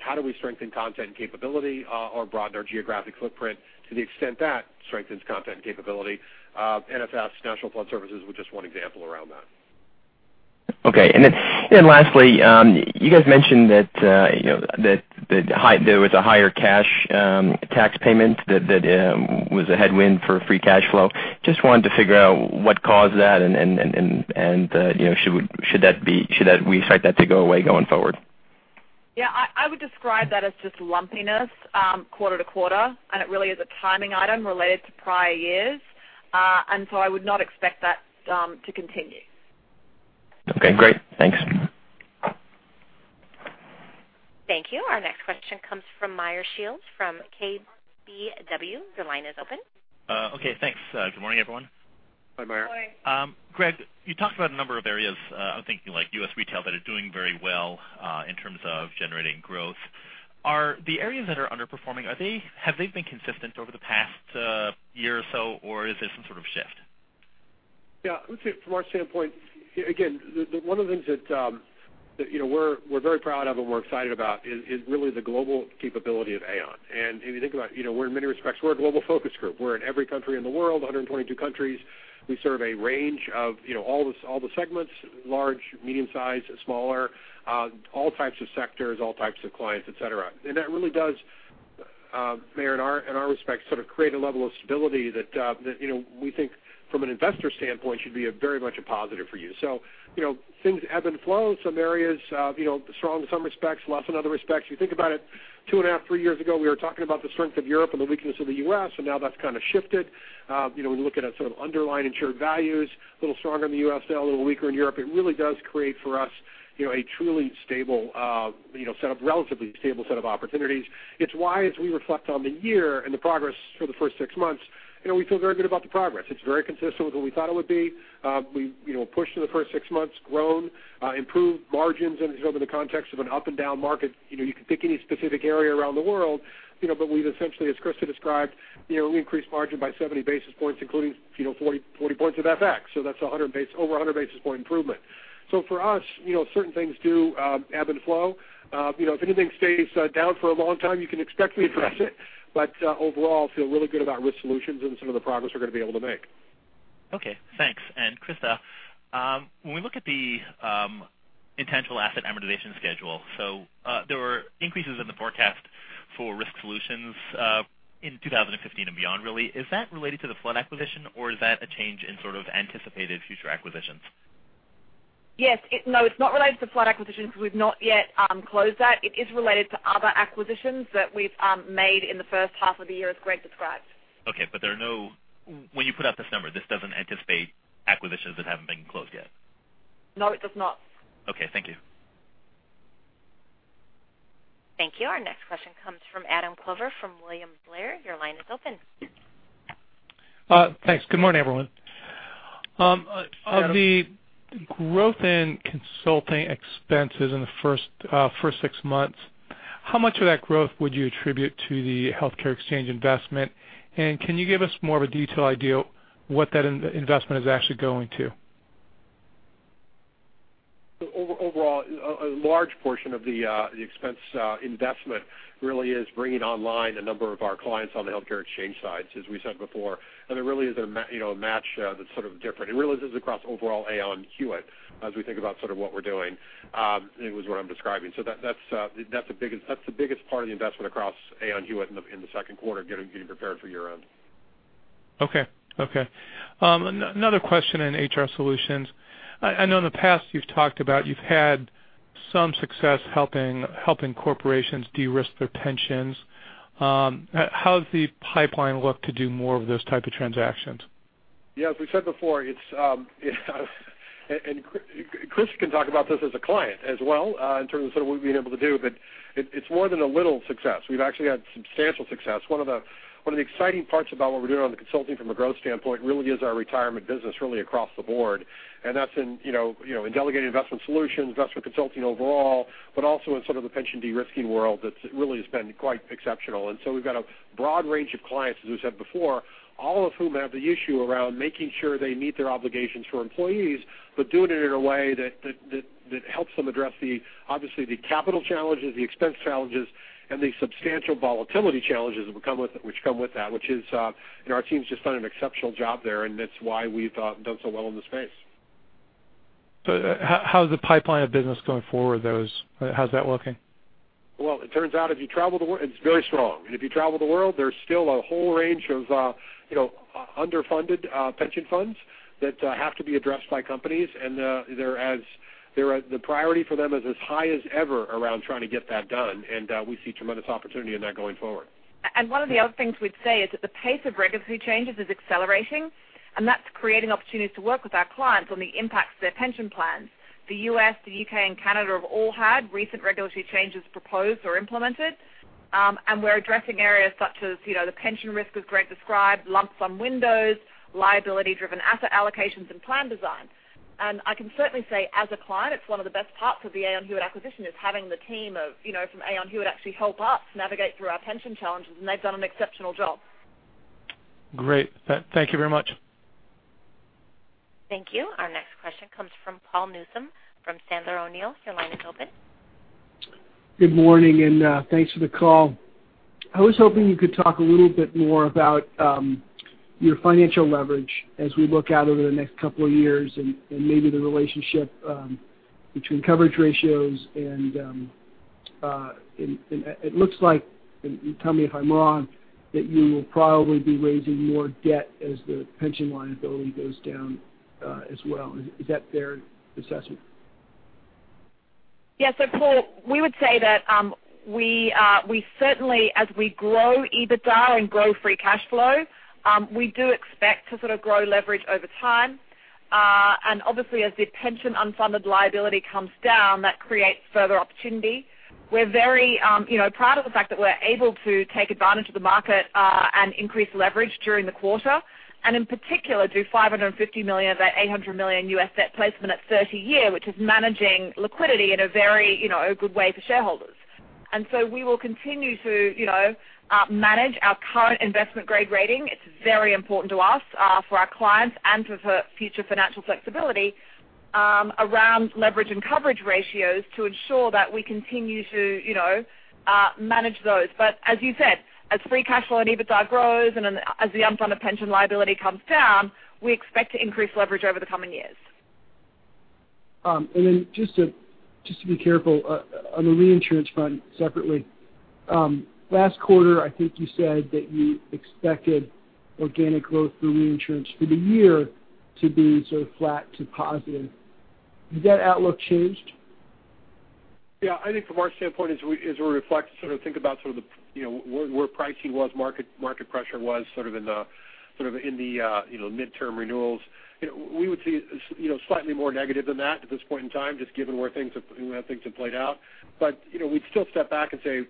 How do we strengthen content and capability or broaden our geographic footprint to the extent that strengthens content and capability? NFS, National Flood Services, was just one example around that. Okay. Lastly, you guys mentioned that there was a higher cash tax payment that was a headwind for free cash flow. Just wanted to figure out what caused that and should we expect that to go away going forward? Yeah, I would describe that as just lumpiness quarter to quarter, and it really is a timing item related to prior years. I would not expect that to continue. Okay, great. Thanks. Thank you. Our next question comes from Meyer Shields from KBW. Your line is open. Okay, thanks. Good morning, everyone. Hi, Meyer. Good morning. Greg, you talked about a number of areas, I'm thinking like US Retail, that are doing very well in terms of generating growth. Are the areas that are underperforming, have they been consistent over the past year or so, or is this some sort of shift? Yeah. I would say from our standpoint, again, one of the things that we're very proud of and we're excited about is really the global capability of Aon. If you think about it, in many respects, we're a global focus group. We're in every country in the world, 122 countries. We serve a range of all the segments, large, medium-size, smaller, all types of sectors, all types of clients, et cetera. That really does, Meyer, in our respect, sort of create a level of stability that we think from an investor standpoint should be very much a positive for you. Things ebb and flow in some areas, strong in some respects, less in other respects. You think about it, two and a half, three years ago, we were talking about the strength of Europe and the weakness of the U.S., and now that's kind of shifted. When you look at sort of underlying insured values, a little stronger in the U.S., a little weaker in Europe. It really does create for us a truly stable set of, relatively stable set of opportunities. It's why, as we reflect on the year and the progress for the first six months, we feel very good about the progress. It's very consistent with what we thought it would be. We pushed in the first six months, grown, improved margins in the context of an up and down market. You can pick any specific area around the world, but we've essentially, as Christa described, we increased margin by 70 basis points, including 40 points of FX. That's over 100 basis point improvement. For us, certain things do ebb and flow. If anything stays down for a long time, you can expect me to address it. Overall, I feel really good about Risk Solutions and some of the progress we're going to be able to make. Okay, thanks. Christa, when we look at the intangible asset amortization schedule, there were increases in the forecast for Risk Solutions in 2015 and beyond, really. Is that related to the Flood acquisition, or is that a change in sort of anticipated future acquisitions? Yes. No, it's not related to Flood acquisitions. We've not yet closed that. It is related to other acquisitions that we've made in the first half of the year, as Greg described. Okay, when you put out this number, this doesn't anticipate acquisitions that haven't been closed yet? No, it does not. Okay, thank you. Thank you. Our next question comes from Adam Klauber from William Blair. Your line is open. Thanks. Good morning, everyone. Adam. Of the growth in consulting expenses in the first 6 months, how much of that growth would you attribute to the healthcare exchange investment? Can you give us more of a detailed idea what that investment is actually going to? Overall, a large portion of the expense investment really is bringing online a number of our clients on the healthcare exchange side, as we said before. There really is a match that's sort of different. It really is across overall Aon Hewitt as we think about sort of what we're doing. It was what I'm describing. That's the biggest part of the investment across Aon Hewitt in the second quarter, getting prepared for year-end. Okay. Another question in HR Solutions. I know in the past you've talked about you've had some success helping corporations de-risk their pensions. How does the pipeline look to do more of those type of transactions? Yeah. As we've said before, Christa can talk about this as a client as well, in terms of sort of what we've been able to do, it's more than a little success. We've actually had substantial success. One of the exciting parts about what we're doing on the consulting from a growth standpoint really is our retirement business really across the board. That's in delegated investment solutions, investment consulting overall, but also in sort of the pension de-risking world, that really has been quite exceptional. So we've got a broad range of clients, as we've said before, all of whom have the issue around making sure they meet their obligations for employees, but doing it in a way that helps them address obviously the capital challenges, the expense challenges, and the substantial volatility challenges which come with that. Our team's just done an exceptional job there, and it's why we've done so well in the space. How's the pipeline of business going forward those, how's that looking? Well, it turns out it's very strong. If you travel the world, there's still a whole range of underfunded pension funds that have to be addressed by companies. The priority for them is as high as ever around trying to get that done, and we see tremendous opportunity in that going forward. One of the other things we'd say is that the pace of regulatory changes is accelerating, and that's creating opportunities to work with our clients on the impacts of their pension plans. The U.S., the U.K., and Canada have all had recent regulatory changes proposed or implemented. We're addressing areas such as the pension risk, as Greg described, lump-sum windows, liability-driven asset allocations, and plan design. I can certainly say, as a client, it's one of the best parts of the Aon Hewitt acquisition is having the team from Aon Hewitt actually help us navigate through our pension challenges, and they've done an exceptional job. Great. Thank you very much. Thank you. Our next question comes from Paul Newsome from Sandler O'Neill. Your line is open. Good morning, and thanks for the call. I was hoping you could talk a little bit more about your financial leverage as we look out over the next couple of years and maybe the relationship between coverage ratios. It looks like, and tell me if I'm wrong, that you will probably be raising more debt as the pension liability goes down as well. Is that a fair assessment? Yeah. Paul Newsome, we would say that we certainly, as we grow EBITDA and grow free cash flow, we do expect to sort of grow leverage over time. Obviously as the pension unfunded liability comes down, that creates further opportunity. We're very proud of the fact that we're able to take advantage of the market and increase leverage during the quarter. In particular, do $550 million of that $800 million U.S. debt placement at 30-year, which is managing liquidity in a very good way for shareholders. We will continue to manage our current investment-grade rating. It's very important to us, for our clients and for future financial flexibility around leverage and coverage ratios to ensure that we continue to manage those. As you said, as free cash flow and EBITDA grows and as the unfunded pension liability comes down, we expect to increase leverage over the coming years. Just to be careful, on the reinsurance front separately. Last quarter, I think you said that you expected organic growth through reinsurance for the year to be sort of flat to positive. Has that outlook changed? Yeah. I think from our standpoint, as we reflect, sort of think about where pricing was, market pressure was in the midterm renewals. We would see slightly more negative than that at this point in time, just given the way things have played out. We'd still step back and say,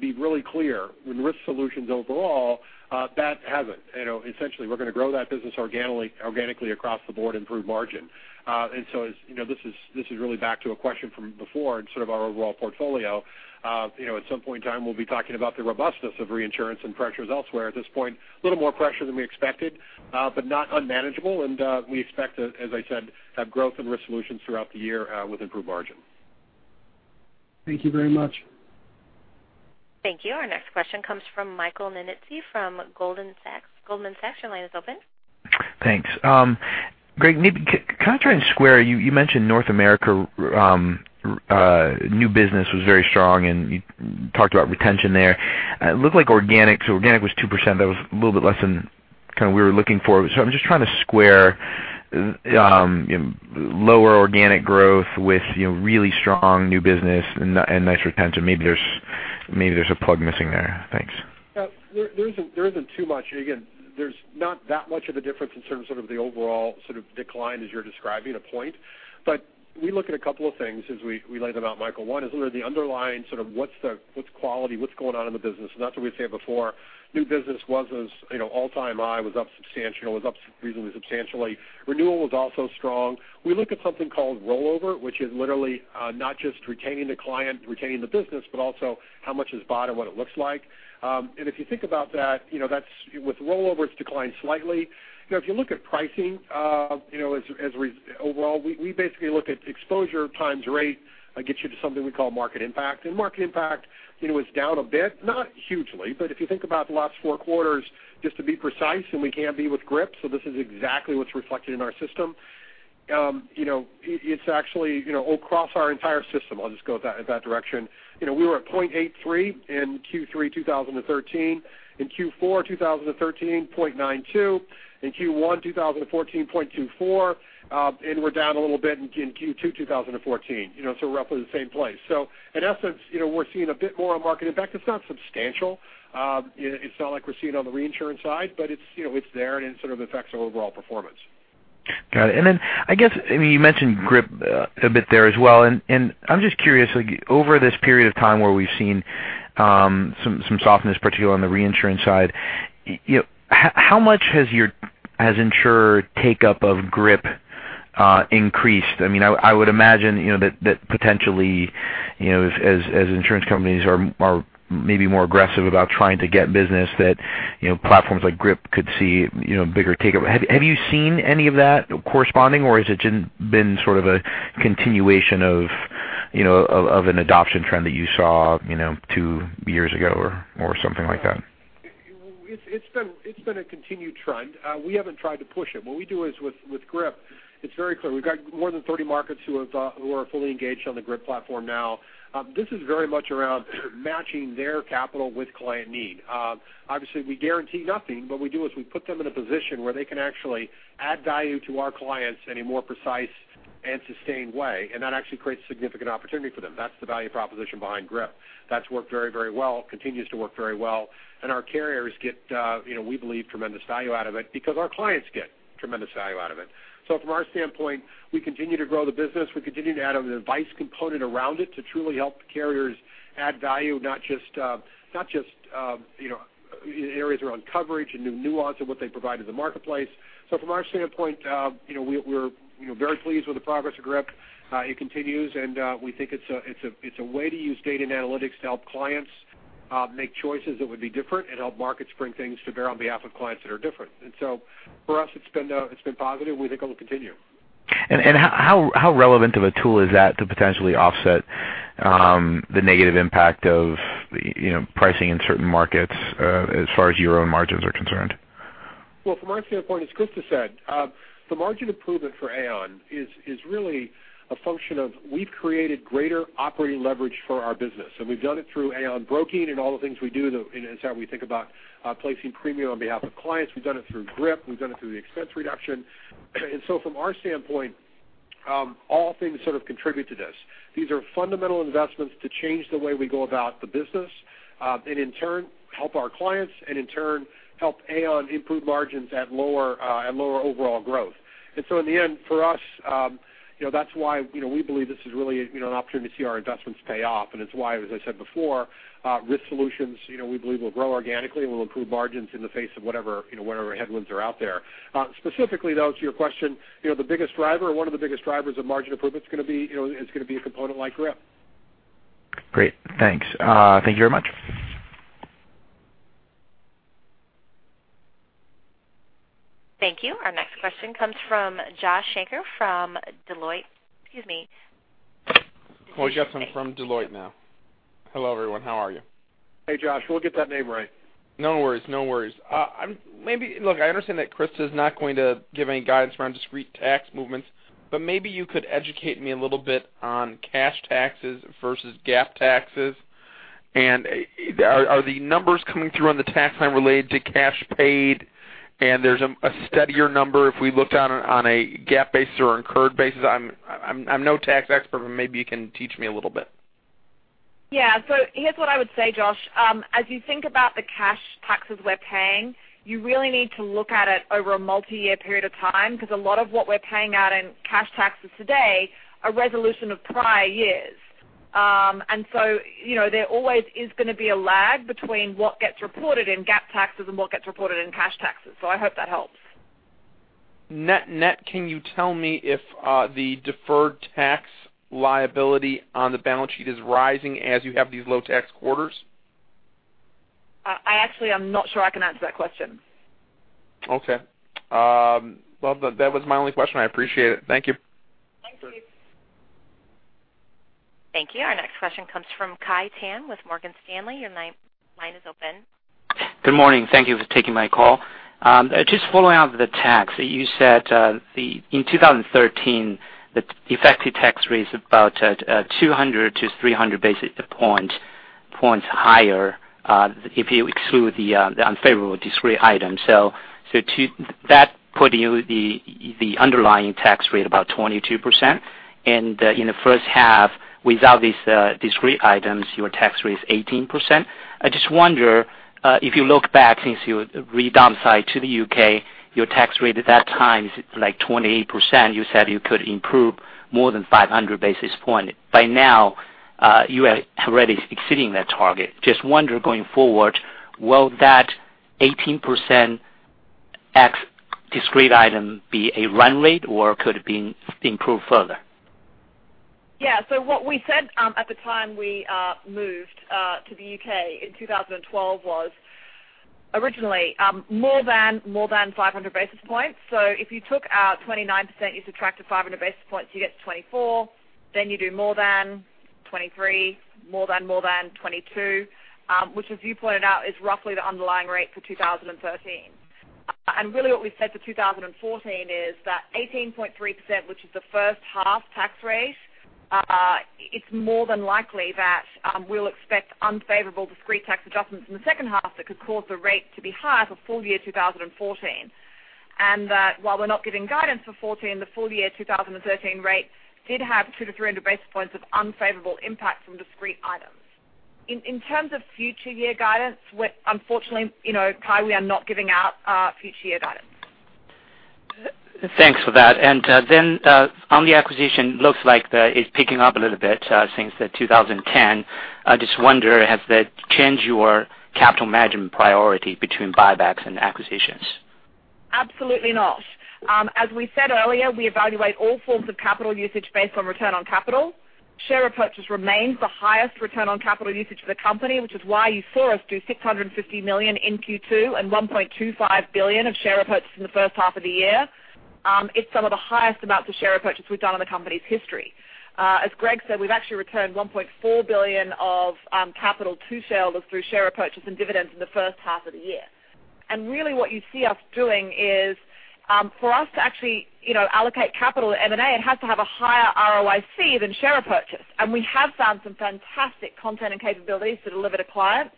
be really clear. In Risk Solutions overall, that hasn't. Essentially, we're going to grow that business organically across the board, improve margin. This is really back to a question from before and sort of our overall portfolio. At some point in time, we'll be talking about the robustness of reinsurance and pressures elsewhere. At this point, a little more pressure than we expected, but not unmanageable. We expect, as I said, to have growth in Risk Solutions throughout the year with improved margins. Thank you very much. Thank you. Our next question comes from Michael Nannizzi from Goldman Sachs. Your line is open. Thanks. Greg, can I try and square, you mentioned North America new business was very strong, and you talked about retention there. It looked like organic. Organic was 2%. That was a little bit less than kind of we were looking for. I'm just trying to square lower organic growth with really strong new business and nice retention. Maybe there's. Maybe there's a plug missing there. Thanks. There isn't too much. Again, there's not that much of a difference in terms of the overall decline as you're describing, a point. We look at a couple of things as we lay them out, Michael. One is the underlying what's the quality, what's going on in the business. That's what we said before, new business was as all-time high, was up reasonably substantially. Renewal was also strong. We look at something called rollover, which is literally not just retaining the client, retaining the business, but also how much is bought and what it looks like. If you think about that, with rollover, it's declined slightly. If you look at pricing, as overall, we basically look at exposure times rate, gets you to something we call market impact. Market impact is down a bit, not hugely, but if you think about the last four quarters, just to be precise, we can be with GRIP, this is exactly what's reflected in our system. It's actually across our entire system. I'll just go in that direction. We were at 0.83 in Q3 2013. In Q4 2013, 0.92. In Q1 2014, 0.24. We're down a little bit in Q2 2014. Roughly the same place. In essence, we're seeing a bit more on market impact. It's not substantial. It's not like we're seeing on the reinsurance side, but it's there and it sort of affects our overall performance. Got it. Then, I guess you mentioned GRIP a bit there as well, I'm just curious, over this period of time where we've seen some softness, particularly on the reinsurance side, how much has insurer take-up of GRIP increased? I would imagine that potentially, as insurance companies are maybe more aggressive about trying to get business that platforms like GRIP could see bigger take-up. Have you seen any of that corresponding or has it just been sort of a continuation of an adoption trend that you saw two years ago or something like that? It's been a continued trend. We haven't tried to push it. What we do is with GRIP, it's very clear. We've got more than 30 markets who are fully engaged on the GRIP platform now. This is very much around matching their capital with client need. Obviously, we guarantee nothing, but we do is we put them in a position where they can actually add value to our clients in a more precise and sustained way, and that actually creates significant opportunity for them. That's the value proposition behind GRIP. That's worked very well, continues to work very well, and our carriers get, we believe, tremendous value out of it because our clients get tremendous value out of it. From our standpoint, we continue to grow the business. We continue to add an advice component around it to truly help carriers add value, not just areas around coverage and new nuance of what they provide to the marketplace. From our standpoint, we're very pleased with the progress of GRIP. It continues, and we think it's a way to use data and analytics to help clients make choices that would be different and help markets bring things to bear on behalf of clients that are different. For us, it's been positive. We think it will continue. How relevant of a tool is that to potentially offset the negative impact of pricing in certain markets as far as your own margins are concerned? Well, from our standpoint, as Christa said, the margin improvement for Aon is really a function of we've created greater operating leverage for our business. We've done it through Aon Broking and all the things we do, and it's how we think about placing premium on behalf of clients. We've done it through GRIP. We've done it through the expense reduction. From our standpoint, all things sort of contribute to this. These are fundamental investments to change the way we go about the business, and in turn, help our clients, and in turn, help Aon improve margins at lower overall growth. In the end, for us, that's why we believe this is really an opportunity to see our investments pay off. It's why, as I said before, Risk Solutions, we believe will grow organically and will improve margins in the face of whatever headwinds are out there. Specifically, though, to your question, the biggest driver or one of the biggest drivers of margin improvement is going to be a component like GRIP. Great. Thanks. Thank you very much. Thank you. Our next question comes from Josh Shanker from Deutsche Bank. Excuse me. We got one from Deutsche Bank now. Hello, everyone. How are you? Hey, Josh. We'll get that name right. No worries. Look, I understand that Christa is not going to give any guidance around discrete tax movements, but maybe you could educate me a little bit on cash taxes versus GAAP taxes. Are the numbers coming through on the tax line related to cash paid and there's a steadier number if we looked on a GAAP basis or incurred basis? I'm no tax expert, but maybe you can teach me a little bit. Here's what I would say, Josh. As you think about the cash taxes we're paying, you really need to look at it over a multi-year period of time because a lot of what we're paying out in cash taxes today are resolution of prior years. There always is going to be a lag between what gets reported in GAAP taxes and what gets reported in cash taxes. I hope that helps. Net, can you tell me if the deferred tax liability on the balance sheet is rising as you have these low tax quarters? I actually am not sure I can answer that question. Okay. Well, that was my only question. I appreciate it. Thank you. Thank you. Thank you. Our next question comes from Kai Pan with Morgan Stanley. Your line is open. Good morning. Thank you for taking my call. Just following up with the tax, you said in 2013, the effective tax rate is about 200 to 300 basis points higher if you exclude the unfavorable discrete items. That put the underlying tax rate about 22%. In the first half, without these discrete items, your tax rate is 18%. I just wonder if you look back, since you redomiciled to the U.K., your tax rate at that time is like 28%. You said you could improve more than 500 basis points. By now, you are already exceeding that target. Just wonder going forward, will that 18% ex discrete item be a run rate or could it be improved further? Yeah. What we said at the time we moved to the U.K. in 2012 was originally more than 500 basis points. If you took our 29%, you subtract the 500 basis points, you get to 24, then you do more than 23, more than 22, which as you pointed out, is roughly the underlying rate for 2013. Really what we've said for 2014 is that 18.3%, which is the first half tax rate, it's more than likely that we'll expect unfavorable discrete tax adjustments in the second half that could cause the rate to be higher for full year 2014. That while we're not giving guidance for 2014, the full year 2013 rate did have 200 to 300 basis points of unfavorable impact from discrete items. In terms of future year guidance, unfortunately, Kai, we are not giving out future year guidance. Thanks for that. Then on the acquisition, looks like it's picking up a little bit since the 2010. I just wonder, has that changed your capital management priority between buybacks and acquisitions? Absolutely not. As we said earlier, we evaluate all forms of capital usage based on return on capital. Share repurchase remains the highest return on capital usage for the company, which is why you saw us do $650 million in Q2 and $1.25 billion of share repurchase in the first half of the year. It's some of the highest amounts of share repurchase we've done in the company's history. As Greg said, we've actually returned $1.4 billion of capital to shareholders through share repurchases and dividends in the first half of the year. Really what you see us doing is, for us to actually allocate capital at M&A, it has to have a higher ROIC than share repurchase. We have found some fantastic content and capabilities to deliver to clients.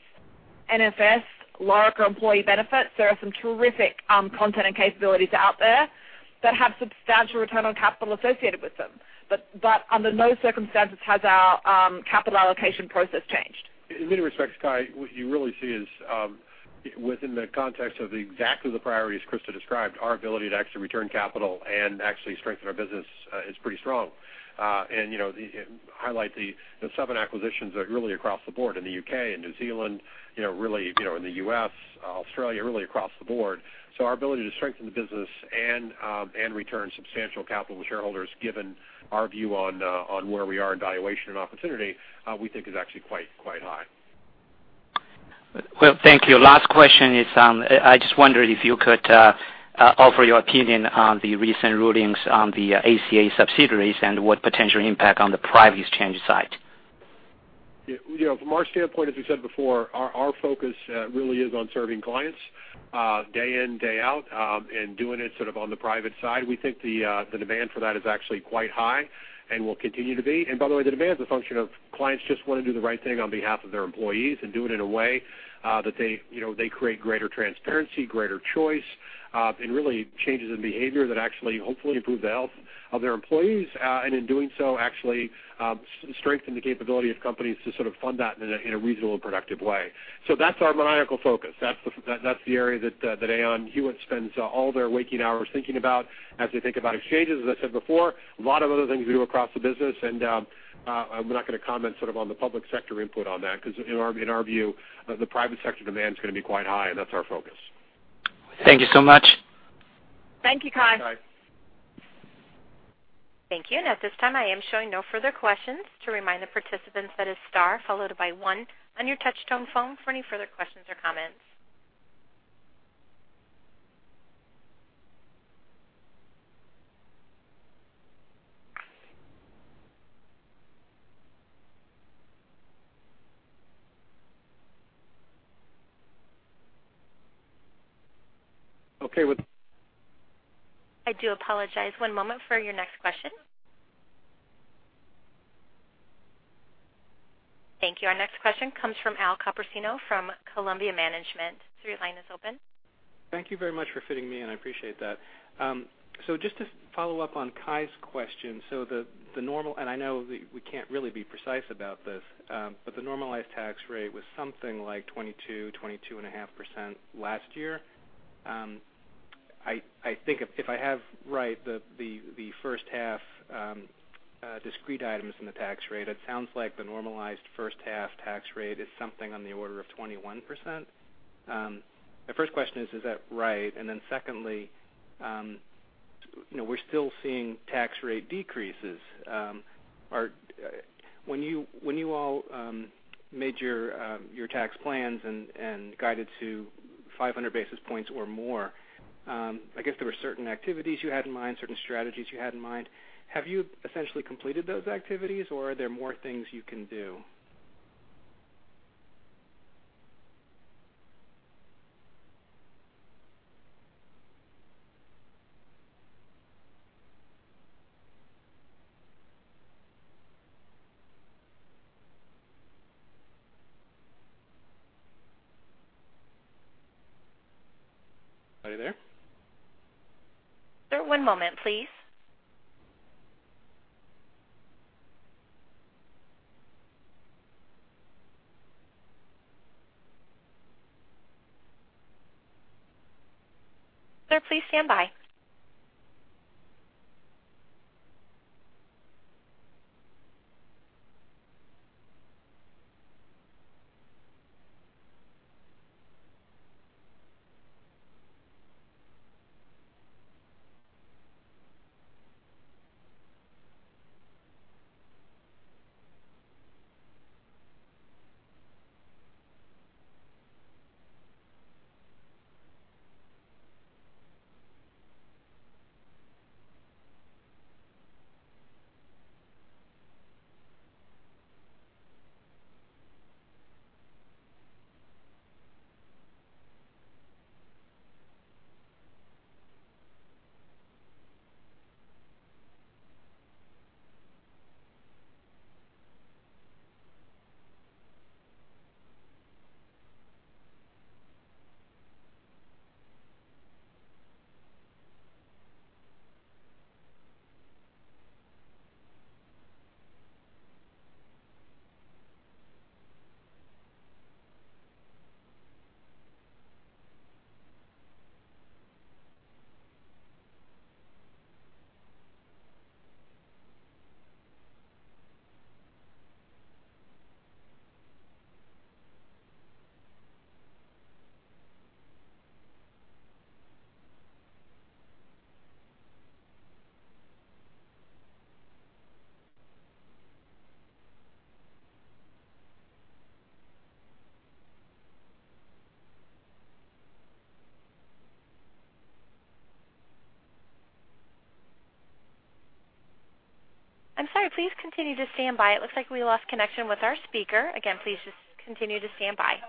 NFS, Lorica, Employee Benefits, there are some terrific content and capabilities out there that have substantial return on capital associated with them. Under no circumstances has our capital allocation process changed. In many respects, Kai, what you really see is within the context of exactly the priorities Christa described, our ability to actually return capital and actually strengthen our business is pretty strong. Highlight the seven acquisitions that are really across the board in the U.K. and New Zealand, really, in the U.S., Australia, really across the board. Our ability to strengthen the business and return substantial capital to shareholders, given our view on where we are in valuation and opportunity, we think is actually quite high. Well, thank you. Last question is, I just wondered if you could offer your opinion on the recent rulings on the ACA subsidies and what potential impact on the private exchange side. From our standpoint, as we said before, our focus really is on serving clients day in, day out, and doing it sort of on the private side. We think the demand for that is actually quite high and will continue to be. By the way, the demand is a function of clients just want to do the right thing on behalf of their employees and do it in a way that they create greater transparency, greater choice, and really changes in behavior that actually hopefully improve the health of their employees. In doing so, actually strengthen the capability of companies to sort of fund that in a reasonable and productive way. That's our maniacal focus. That's the area that Aon Hewitt spends all their waking hours thinking about as they think about exchanges. As I said before, a lot of other things we do across the business, and we're not going to comment sort of on the public sector input on that, because in our view, the private sector demand is going to be quite high, and that's our focus. Thank you so much. Thank you, Kai. Bye. Thank you. At this time, I am showing no further questions. To remind the participants that is star followed by one on your touch-tone phone for any further questions or comments. Okay with- I do apologize. One moment for your next question. Thank you. Our next question comes from Al Copersino from Columbia Management. Your line is open. Thank you very much for fitting me in. I appreciate that. Just to follow up on Kai's question, the normal, and I know we can't really be precise about this, but the normalized tax rate was something like 22.5% last year. I think if I have right, the first half discrete items in the tax rate, it sounds like the normalized first half tax rate is something on the order of 21%. My first question is that right? Secondly, we're still seeing tax rate decreases. When you all made your tax plans and guided to 500 basis points or more, I guess there were certain activities you had in mind, certain strategies you had in mind. Have you essentially completed those activities, or are there more things you can do? Are you there? Sir, one moment, please. Sir, please stand by. I'm sorry, please continue to stand by. It looks like we lost connection with our speaker. Again, please just continue to stand by.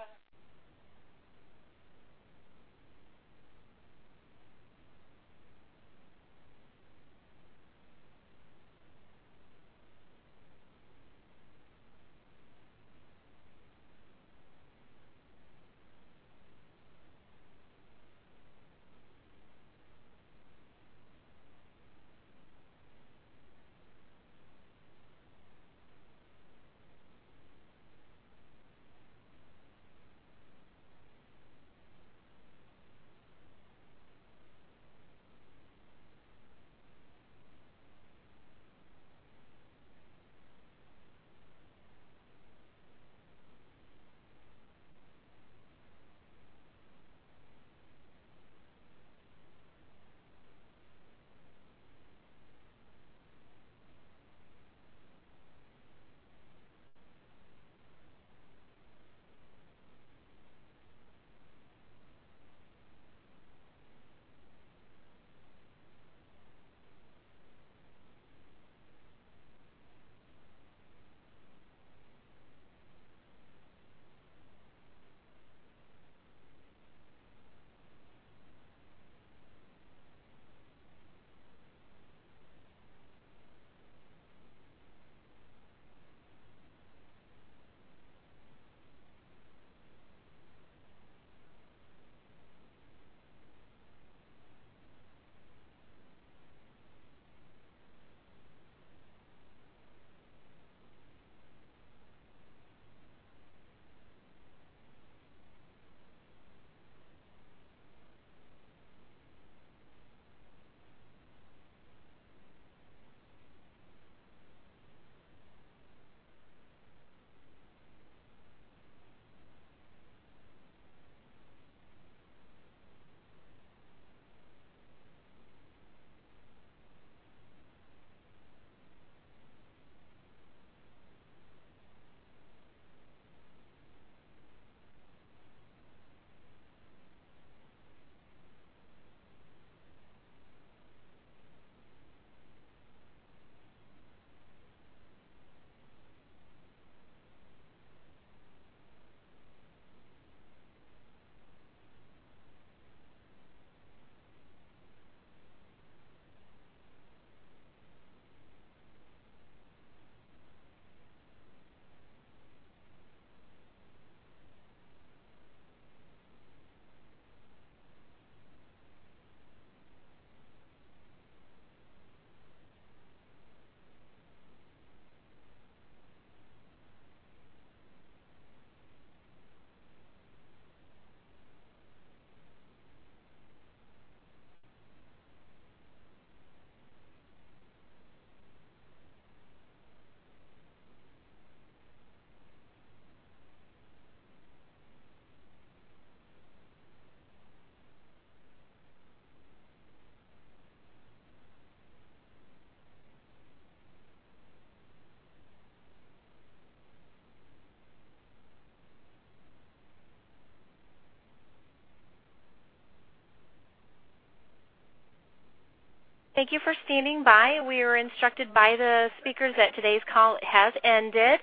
Thank you for standing by. We are instructed by the speakers that today's call has ended.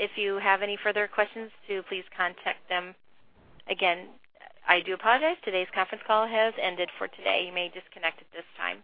If you have any further questions, to please contact them. Again, I do apologize. Today's conference call has ended for today. You may disconnect at this time.